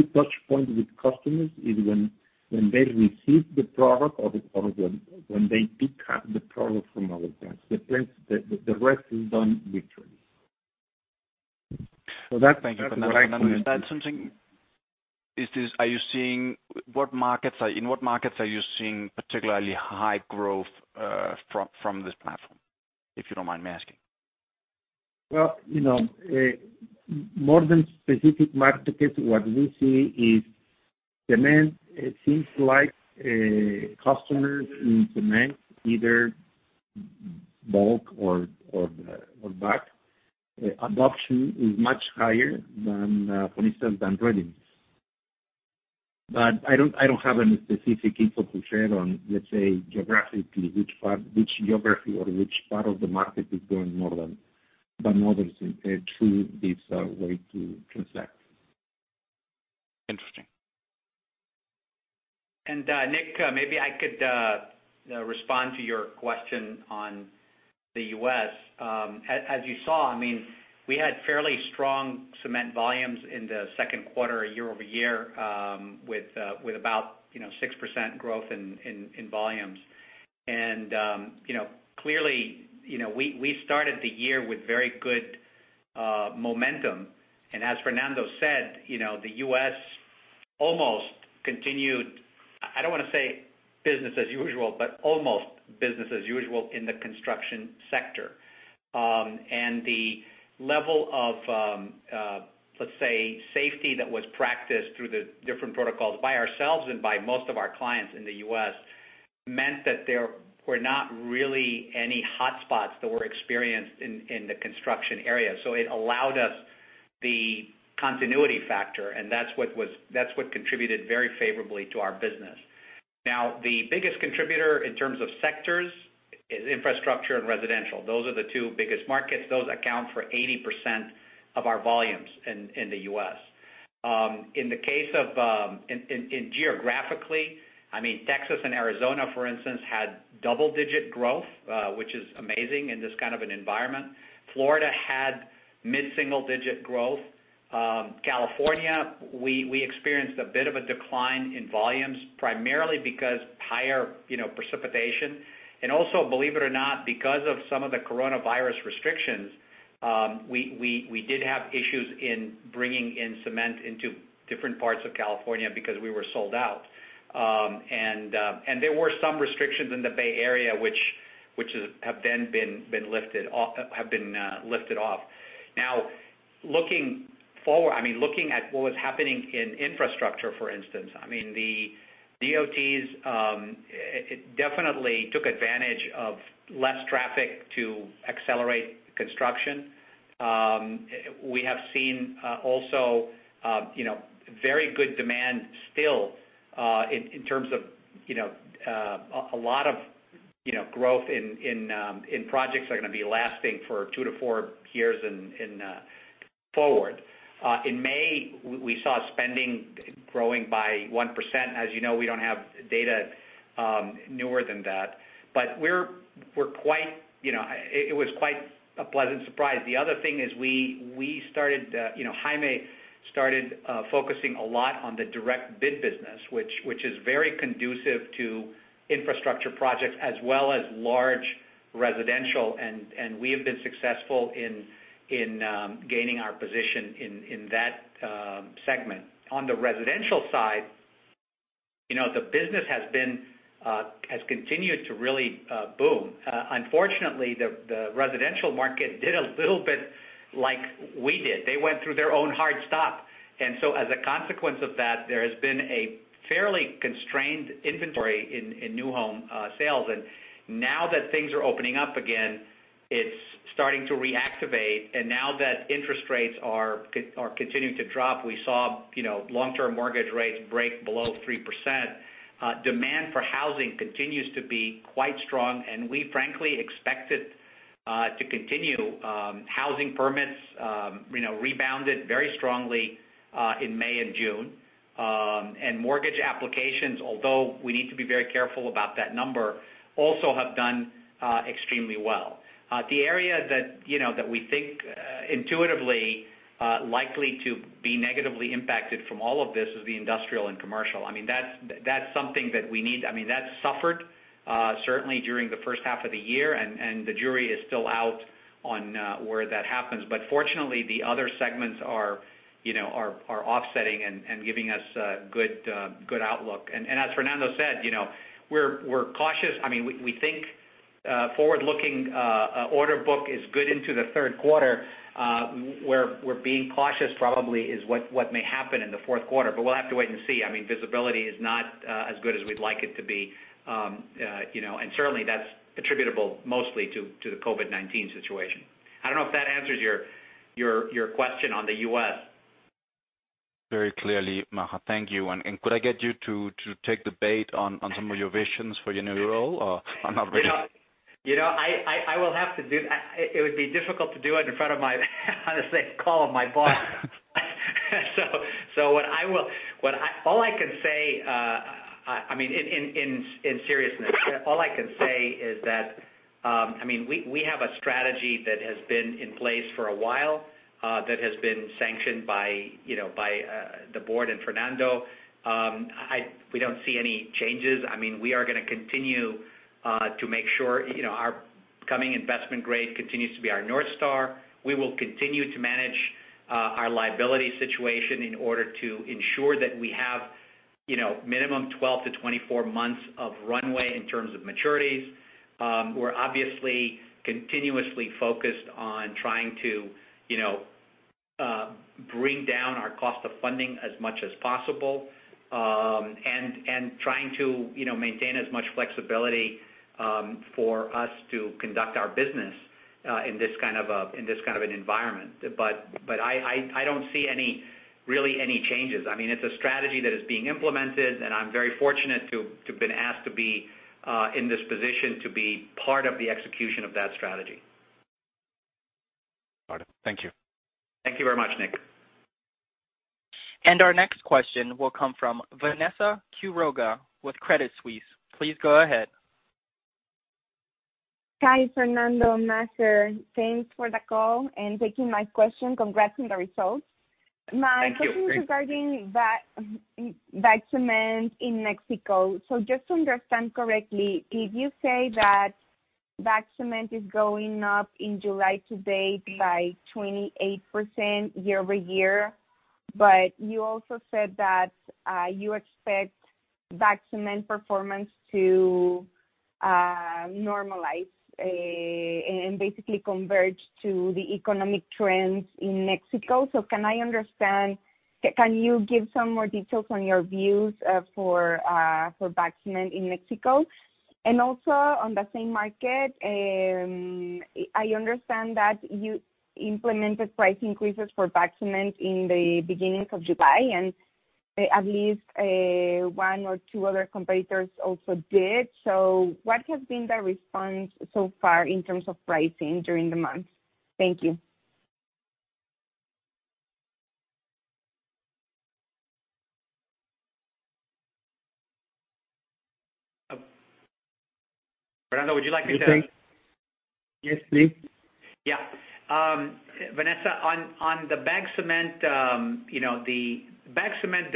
touchpoint with customers is when they receive the product or when they pick up the product from our place. The rest is done virtually. That's what I can say. Thank you, Fernando. In what markets are you seeing particularly high growth from this platform? If you don't mind me asking. Well, more than specific markets, what we see is demand. It seems like customers in cement, either bulk or bag, adoption is much higher than, for instance, than ready-mix. I don't have any specific info to share on, let's say, geographically, which geography or which part of the market is growing more than others through this way to transact. Interesting. Nik, maybe I could respond to your question on the U.S. As you saw, we had fairly strong cement volumes in the second quarter year-over-year, with about 6% growth in volumes. Clearly, we started the year with very good momentum. As Fernando said, the U.S. almost continued, I don't want to say business as usual, but almost business as usual in the construction sector. The level of, let's say, safety that was practiced through the different protocols by ourselves and by most of our clients in the U.S., meant that there were not really any hotspots that were experienced in the construction area. It allowed us the continuity factor, and that's what contributed very favorably to our business. Now, the biggest contributor in terms of sectors is infrastructure and residential. Those are the two biggest markets. Those account for 80% of our volumes in the U.S. In geographically, Texas and Arizona, for instance, had double-digit growth, which is amazing in this kind of an environment. Florida had mid-single digit growth. California, we experienced a bit of a decline in volumes, primarily because higher precipitation. Also, believe it or not, because of some of the coronavirus restrictions, we did have issues in bringing in cement into different parts of California because we were sold out. There were some restrictions in the Bay Area, which have been lifted off. Looking at what was happening in infrastructure, for instance, the DOTs definitely took advantage of less traffic to accelerate construction. We have seen also very good demand still in terms of a lot of growth in projects are going to be lasting for two to four years forward. In May, we saw spending growing by 1%. As you know, we don't have data newer than that. It was quite a pleasant surprise. The other thing is, Jaime started focusing a lot on the direct bid business, which is very conducive to infrastructure projects as well as large residential, and we have been successful in gaining our position in that segment. On the residential side, the business has continued to really boom. Unfortunately, the residential market did a little bit like we did. They went through their own hard stop. As a consequence of that, there has been a fairly constrained inventory in new home sales. Now that things are opening up again, it's starting to reactivate. Now that interest rates are continuing to drop, we saw long-term mortgage rates break below 3%. Demand for housing continues to be quite strong, and we frankly expect it to continue. Housing permits rebounded very strongly in May and June. Mortgage applications, although we need to be very careful about that number, also have done extremely well. The area that we think intuitively likely to be negatively impacted from all of this is the industrial and commercial. That suffered certainly during the first half of the year, and the jury is still out on where that happens. Fortunately, the other segments are offsetting and giving us a good outlook. As Fernando said, we're cautious. We think forward-looking order book is good into the third quarter. Where we're being cautious probably is what may happen in the fourth quarter, but we'll have to wait and see. Visibility is not as good as we'd like it to be. Certainly, that's attributable mostly to the COVID-19 situation. I don't know if that answers your question on the U.S. Very clearly, Maher. Thank you. Could I get you to take the bait on some of your visions for your new role? It would be difficult to do it in front of my boss. All I can say, in seriousness, all I can say is that we have a strategy that has been in place for a while, that has been sanctioned by the board and Fernando. We don't see any changes. We are going to continue to make sure our becoming investment grade continues to be our North Star. We will continue to manage our liability situation in order to ensure that we have minimum 12 to 24 months of runway in terms of maturities. We're obviously continuously focused on trying to bring down our cost of funding as much as possible, and trying to maintain as much flexibility for us to conduct our business in this kind of an environment. I don't see really any changes. It's a strategy that is being implemented, and I'm very fortunate to have been asked to be in this position, to be part of the execution of that strategy. Got it. Thank you. Thank you very much, Nik. Our next question will come from Vanessa Quiroga with Credit Suisse. Please go ahead. Hi, Fernando, and Maher. Thanks for the call and taking my question. Congrats on the results. Thank you. My question is regarding bag cement in Mexico. Just to understand correctly, did you say that bag cement is going up in July to date by 28% year-over-year? You also said that you expect bag cement performance to normalize, and basically converge to the economic trends in Mexico. Can you give some more details on your views for bag cement in Mexico? Also on the same market, I understand that you implemented price increases for bag cement in the beginning of July, and at least one or two other competitors also did. What has been the response so far in terms of pricing during the month? Thank you. Fernando, would you like me to? Yes, please. Yeah. Vanessa, on the bag cement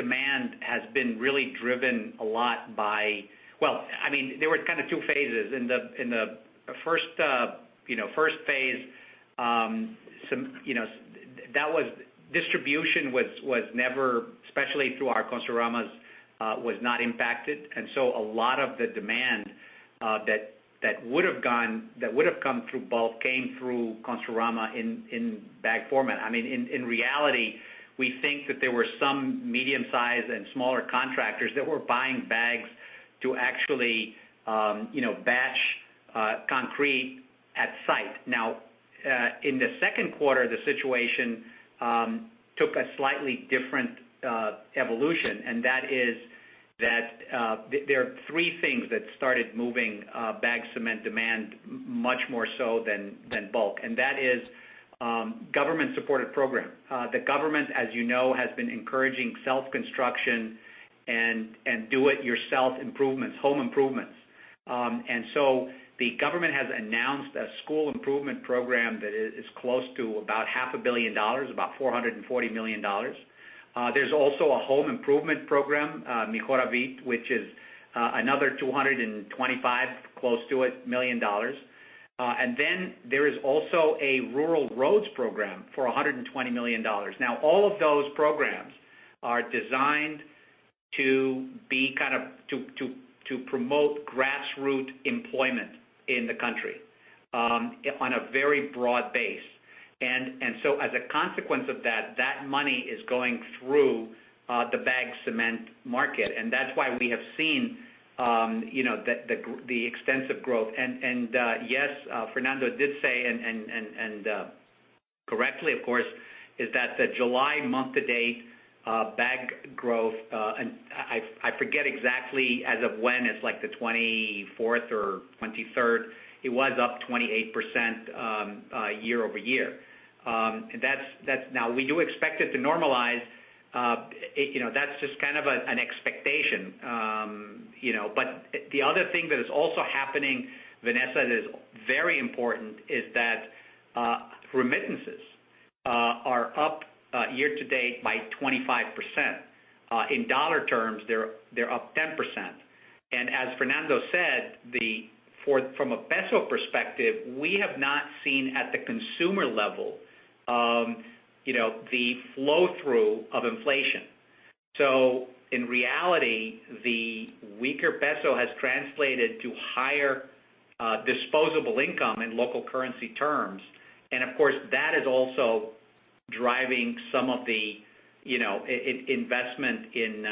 demand has been really driven a lot by. There were kind of two phases. In the first phase, distribution was never, especially through our Construramas, was not impacted. A lot of the demand that would've come through bulk came through Construrama in bag format. In reality, we think that there were some medium-sized and smaller contractors that were buying bags to actually batch concrete at site. Now, in the second quarter, the situation took a slightly different evolution, that is that there are three things that started moving bag cement demand much more so than bulk. That is government-supported program. The government, as you know, has been encouraging self-construction and do it yourself improvements, home improvements. The government has announced a School Improvement Program that is close to about $500 million, about $440 million. There's also a home improvement program, Mejoravit, which is another $225 million, close to it. There is also a rural roads program for $120 million. All of those programs are designed to promote grassroots employment in the country on a very broad base. As a consequence of that money is going through the bag cement market, and that's why we have seen the extensive growth. Yes, Fernando did say, and correctly, of course, is that the July month to date bag growth, and I forget exactly as of when. It's like the 24th or 23rd. It was up 28% year-over-year. We do expect it to normalize. That's just kind of an expectation. The other thing that is also happening, Vanessa, that is very important is that remittances are up year-to-date by 25%. In dollar terms, they're up 10%. As Fernando said, from a peso perspective, we have not seen at the consumer level the flow-through of inflation. In reality, the weaker peso has translated to higher disposable income in local currency terms. Of course, that is also driving some of the investment in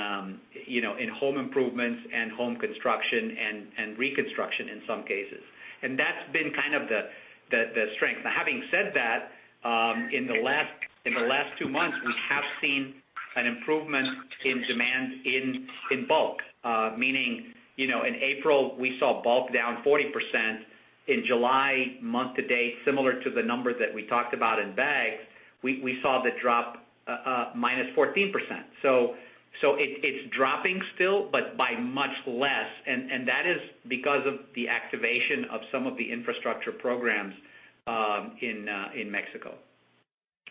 home improvements, and home construction, and reconstruction in some cases. That's been kind of the strength. Now, having said that, in the last two months, we have seen an improvement in demand in bulk. Meaning, in April, we saw bulk down 40%. In July month to date, similar to the numbers that we talked about in bags, we saw the drop -14%. It's dropping still, but by much less, and that is because of the activation of some of the infrastructure programs in Mexico.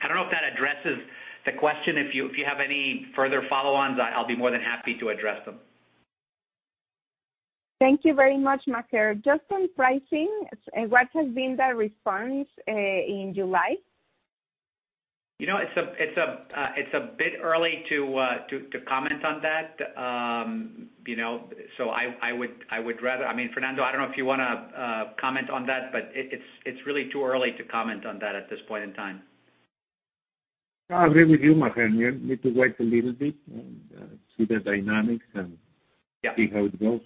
I don't know if that addresses the question. If you have any further follow-ons, I'll be more than happy to address them. Thank you very much, Maher. Just on pricing, what has been the response in July? It's a bit early to comment on that. Fernando, I don't know if you want to comment on that, it's really too early to comment on that at this point in time. No, I agree with you, Maher. We need to wait a little bit and see the dynamics and- Yeah. See how it goes.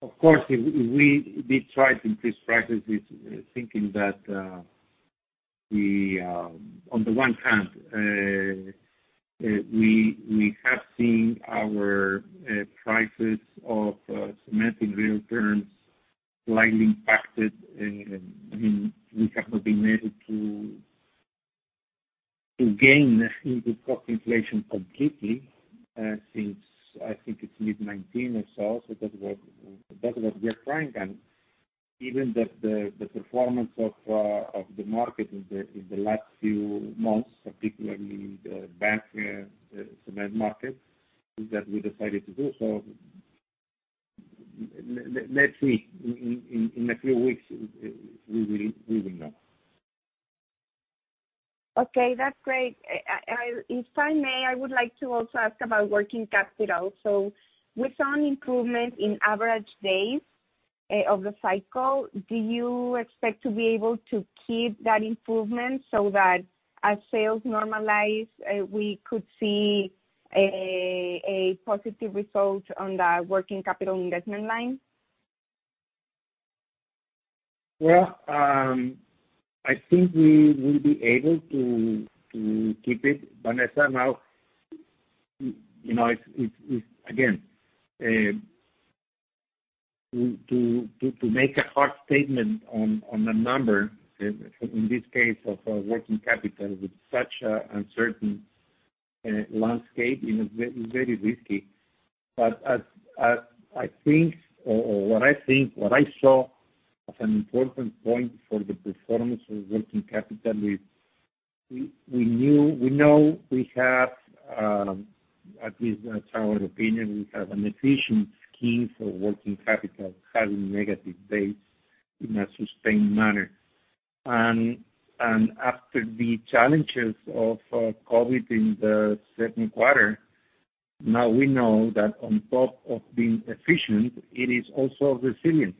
Of course, we did try to increase prices with thinking that on the one hand, we have seen our prices of cement in real terms slightly impacted, and we have not been able to gain input cost inflation completely since I think it's mid 2019 or so. That's what we are trying. Even the performance of the market in the last few months, particularly the bag cement market, is that we decided to do so. Let's see. In a few weeks, we will know. Okay, that's great. If I may, I would like to also ask about working capital. We saw an improvement in average days of the cycle. Do you expect to be able to keep that improvement so that as sales normalize, we could see a positive result on the working capital investment line? Yeah. I think we will be able to keep it, Vanessa. Again, to make a hard statement on a number, in this case, of working capital with such a uncertain landscape is very risky. What I think, what I saw as an important point for the performance of working capital is we know we have, at least that's our opinion, we have an efficient scheme for working capital, having negative days in a sustained manner. After the challenges of COVID in the second quarter, now we know that on top of being efficient, it is also resilient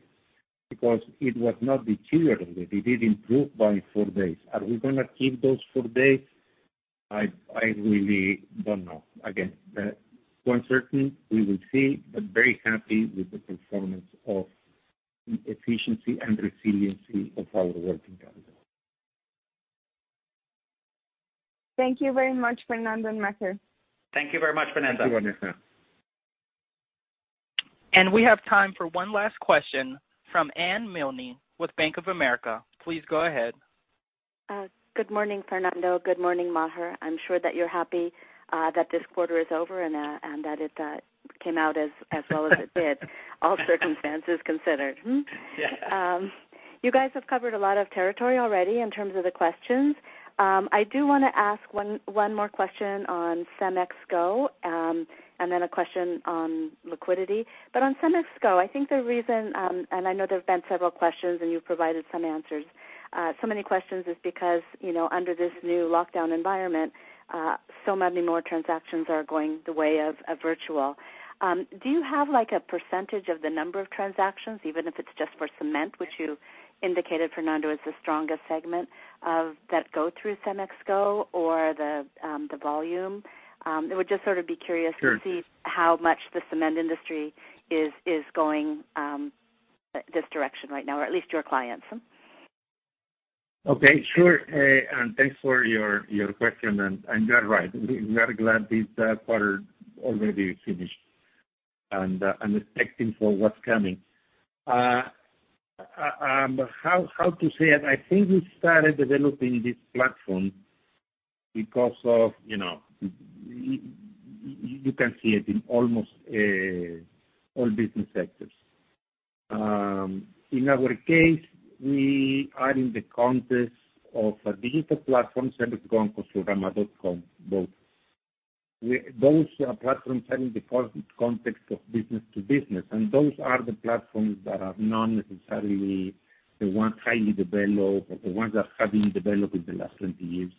because it was not deteriorated. It did improve by four days. Are we going to keep those four days? I really don't know. Again, it's uncertain. We will see, but very happy with the performance of the efficiency and resiliency of our working capital. Thank you very much, Fernando and Maher. Thank you very much, Vanessa. Thank you, Vanessa. We have time for one last question from Anne Milne with Bank of America. Please go ahead. Good morning, Fernando. Good morning, Maher. I'm sure that you're happy that this quarter is over and that it came out as well as it did all circumstances considered. Yeah. You guys have covered a lot of territory already in terms of the questions. I do want to ask one more question on CEMEX Go, and then a question on liquidity. On CEMEX Go, I think the reason, and I know there have been several questions, and you've provided some answers. Many questions is because under this new lockdown environment, so many more transactions are going the way of virtual. Do you have a percentage of the number of transactions, even if it's just for cement, which you indicated, Fernando, is the strongest segment of that go through CEMEX Go or the volume? It would just sort of be curious. Sure. To see how much the cement industry is going this direction right now, or at least your clients. Okay, sure. Anne, thanks for your question. You are right. We are glad this quarter already finished, and expecting for what's coming. How to say it? I think we started developing this platform. You can see it in almost all business sectors. In our case, we are in the context of a digital platform, CEMEX Go and construrama.com, both. Those platforms are in the context of business to business, and those are the platforms that are not necessarily the ones highly developed or the ones that have been developed in the last 20 years.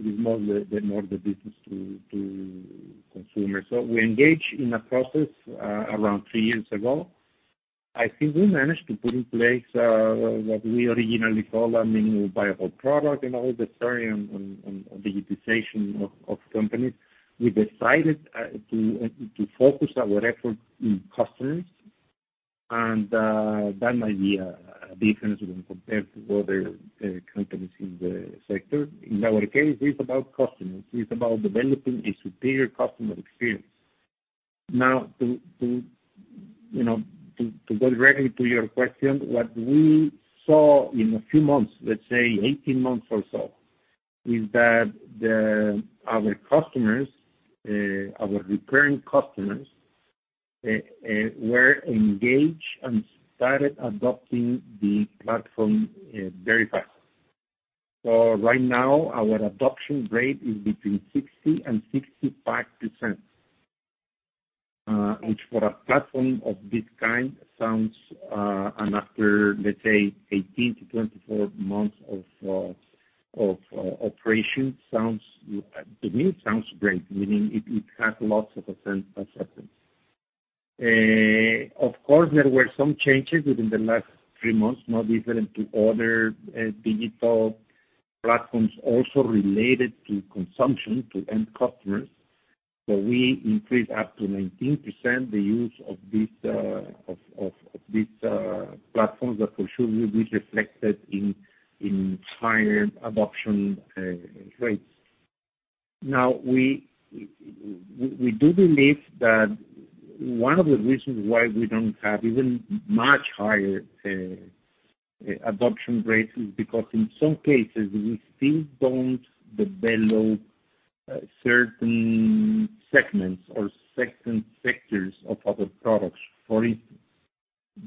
It is more the business to consumer. We engaged in a process around three years ago. I think we managed to put in place what we originally call a minimum viable product and all the story on digitization of companies. We decided to focus our effort in customers, that might be a difference when compared to other companies in the sector. In our case, it's about customers. It's about developing a superior customer experience. To go directly to your question, what we saw in a few months, let's say 18 months or so, is that our customers, our recurring customers, were engaged and started adopting the platform very fast. Right now, our adoption rate is between 60% and 65%, which for a platform of this kind sounds, and after, let's say, 18 to 24 months of operation, to me, it sounds great, meaning it has lots of acceptance. Of course, there were some changes within the last three months, no different to other digital platforms also related to consumption to end customers. We increased up to 19% the use of these platforms that for sure will be reflected in higher adoption rates. We do believe that one of the reasons why we don't have even much higher adoption rates is because in some cases, we still don't develop certain segments or certain sectors of other products. For instance,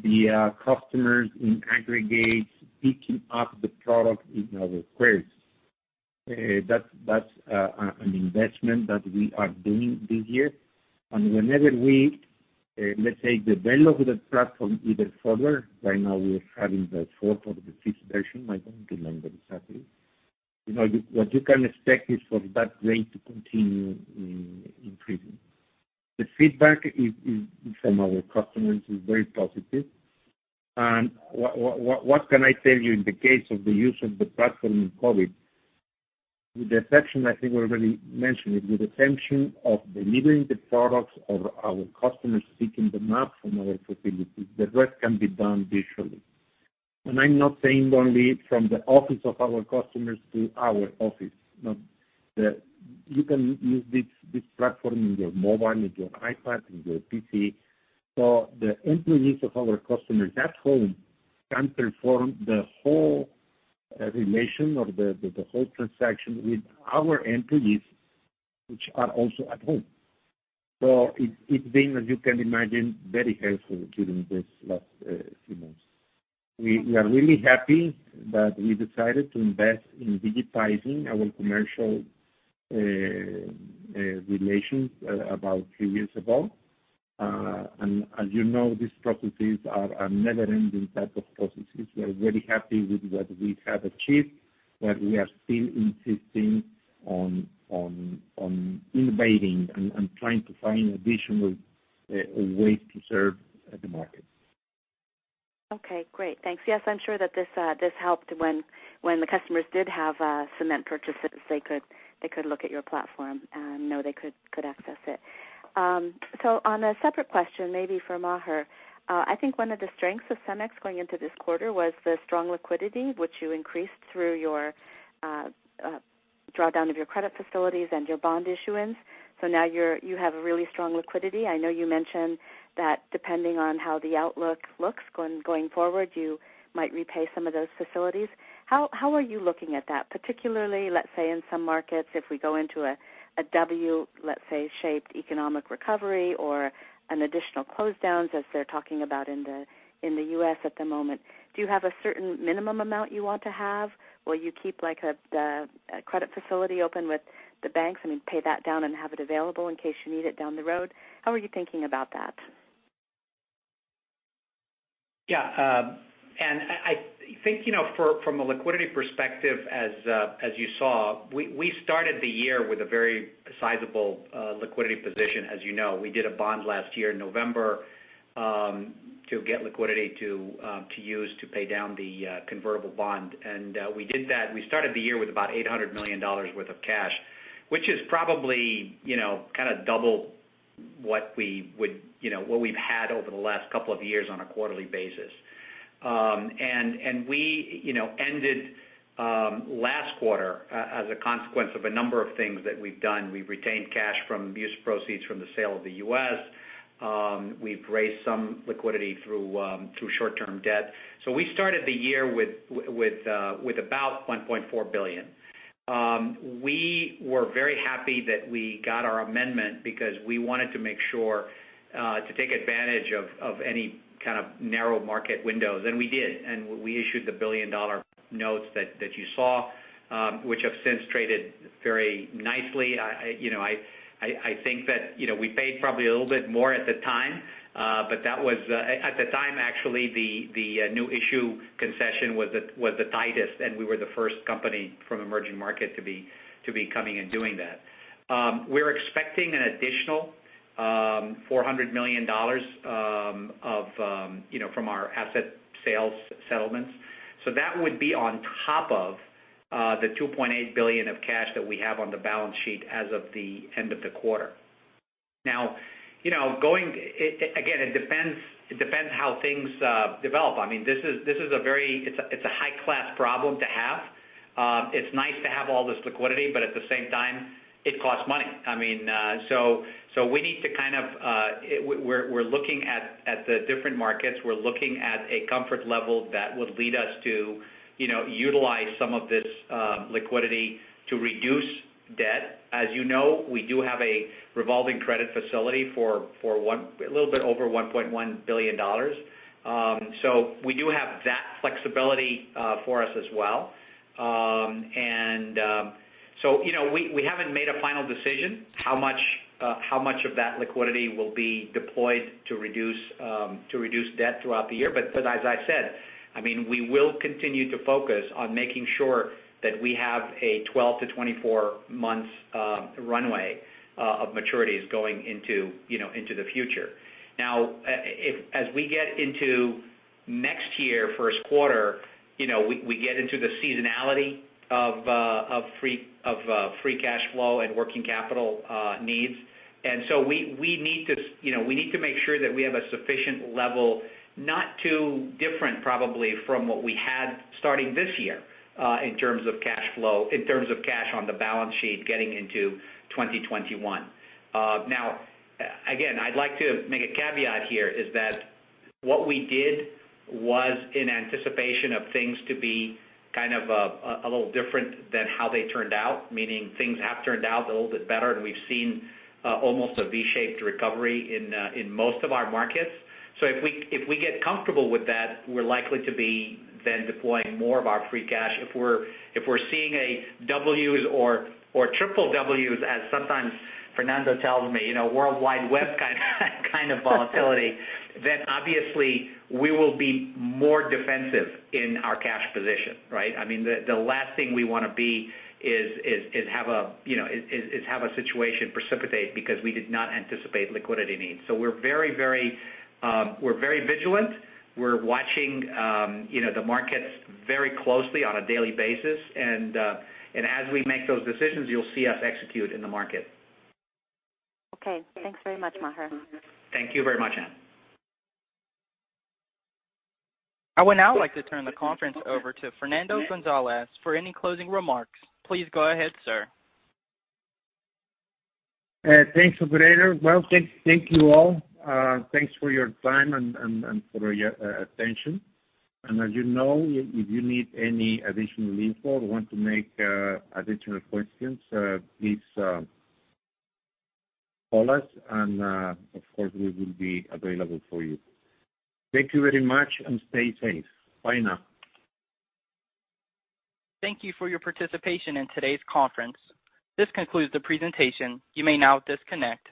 the customers in aggregate picking up the product in our quarries. That's an investment that we are doing this year. Whenever we, let's say, develop the platform even further, right now we are having the fourth or the fifth version, I don't remember exactly. What you can expect is for that rate to continue increasing. The feedback from our customers is very positive. What can I tell you in the case of the use of the platform in COVID? With the exception, I think we already mentioned it, with exception of delivering the products or our customers picking them up from our facilities, the rest can be done virtually. I'm not saying only from the office of our customers to our office. No. You can use this platform in your mobile, in your iPad, in your PC. The employees of our customers at home can perform the whole relation or the whole transaction with our employees, which are also at home. It's been, as you can imagine, very helpful during these last few months. We are really happy that we decided to invest in digitizing our commercial relations about three years ago. As you know, these processes are never ending type of processes. We are very happy with what we have achieved, but we are still insisting on innovating and trying to find additional ways to serve the market. Okay, great. Thanks. Yes, I'm sure that this helped when the customers did have cement purchases, they could look at your platform and know they could access it. I think one of the strengths of CEMEX going into this quarter was the strong liquidity which you increased through your drawdown of your credit facilities and your bond issuance. Now you have a really strong liquidity. I know you mentioned that depending on how the outlook looks going forward, you might repay some of those facilities. How are you looking at that? Particularly, let's say in some markets, if we go into a W, let's say, shaped economic recovery or an additional close downs as they're talking about in the U.S. at the moment. Do you have a certain minimum amount you want to have? Will you keep like a credit facility open with the banks? I mean, pay that down and have it available in case you need it down the road. How are you thinking about that? Yeah. Anne, I think, from a liquidity perspective, as you saw, we started the year with a very sizable liquidity position as you know. We did a bond last year in November, to get liquidity to use to pay down the convertible bond. We did that. We started the year with about $800 million worth of cash, which is probably kind of double what we've had over the last couple of years on a quarterly basis. We ended last quarter, as a consequence of a number of things that we've done. We've retained cash from use proceeds from the sale of the U.S., we've raised some liquidity through short-term debt. We started the year with about $1.4 billion. We were very happy that we got our amendment because we wanted to make sure to take advantage of any kind of narrow market windows, and we did. We issued the $1 billion notes that you saw, which have since traded very nicely. I think that we paid probably a little bit more at the time, but at the time, actually, the new issue concession was the tightest, and we were the first company from emerging market to be coming and doing that. We're expecting an additional $400 million from our asset sales settlements. That would be on top of the $2.8 billion of cash that we have on the balance sheet as of the end of the quarter. Again, it depends how things develop. I mean, this is a very high-class problem to have. It's nice to have all this liquidity, but at the same time, it costs money. We're looking at the different markets. We're looking at a comfort level that would lead us to utilize some of this liquidity to reduce debt. As you know, we do have a revolving credit facility for a little bit over $1.1 billion. We do have that flexibility for us as well. We haven't made a final decision how much of that liquidity will be deployed to reduce debt throughout the year. As I said, we will continue to focus on making sure that we have a 12-24 months runway of maturities going into the future. As we get into next year, first quarter, we get into the seasonality of free cash flow and working capital needs. We need to make sure that we have a sufficient level, not too different probably from what we had starting this year, in terms of cash flow, in terms of cash on the balance sheet getting into 2021. Again, I'd like to make a caveat here, is that what we did was in anticipation of things to be kind of a little different than how they turned out, meaning things have turned out a little bit better, and we've seen almost a V-shaped recovery in most of our markets. If we get comfortable with that, we're likely to be then deploying more of our free cash. If we're seeing a W's or triple W's as sometimes Fernando tells me, World Wide Web kind of volatility, obviously we will be more defensive in our cash position, right? I mean, the last thing we want to be is have a situation precipitate because we did not anticipate liquidity needs. We're very vigilant. We're watching the markets very closely on a daily basis. As we make those decisions, you'll see us execute in the market. Okay. Thanks very much, Maher. Thank you very much, Anne. I would now like to turn the conference over to Fernando González for any closing remarks. Please go ahead, sir. Thanks, operator. Well, thank you all. Thanks for your time and for your attention. As you know, if you need any additional info or want to make additional questions, please call us and, of course, we will be available for you. Thank you very much and stay safe. Bye now. Thank you for your participation in today's conference. This concludes the presentation. You may now disconnect.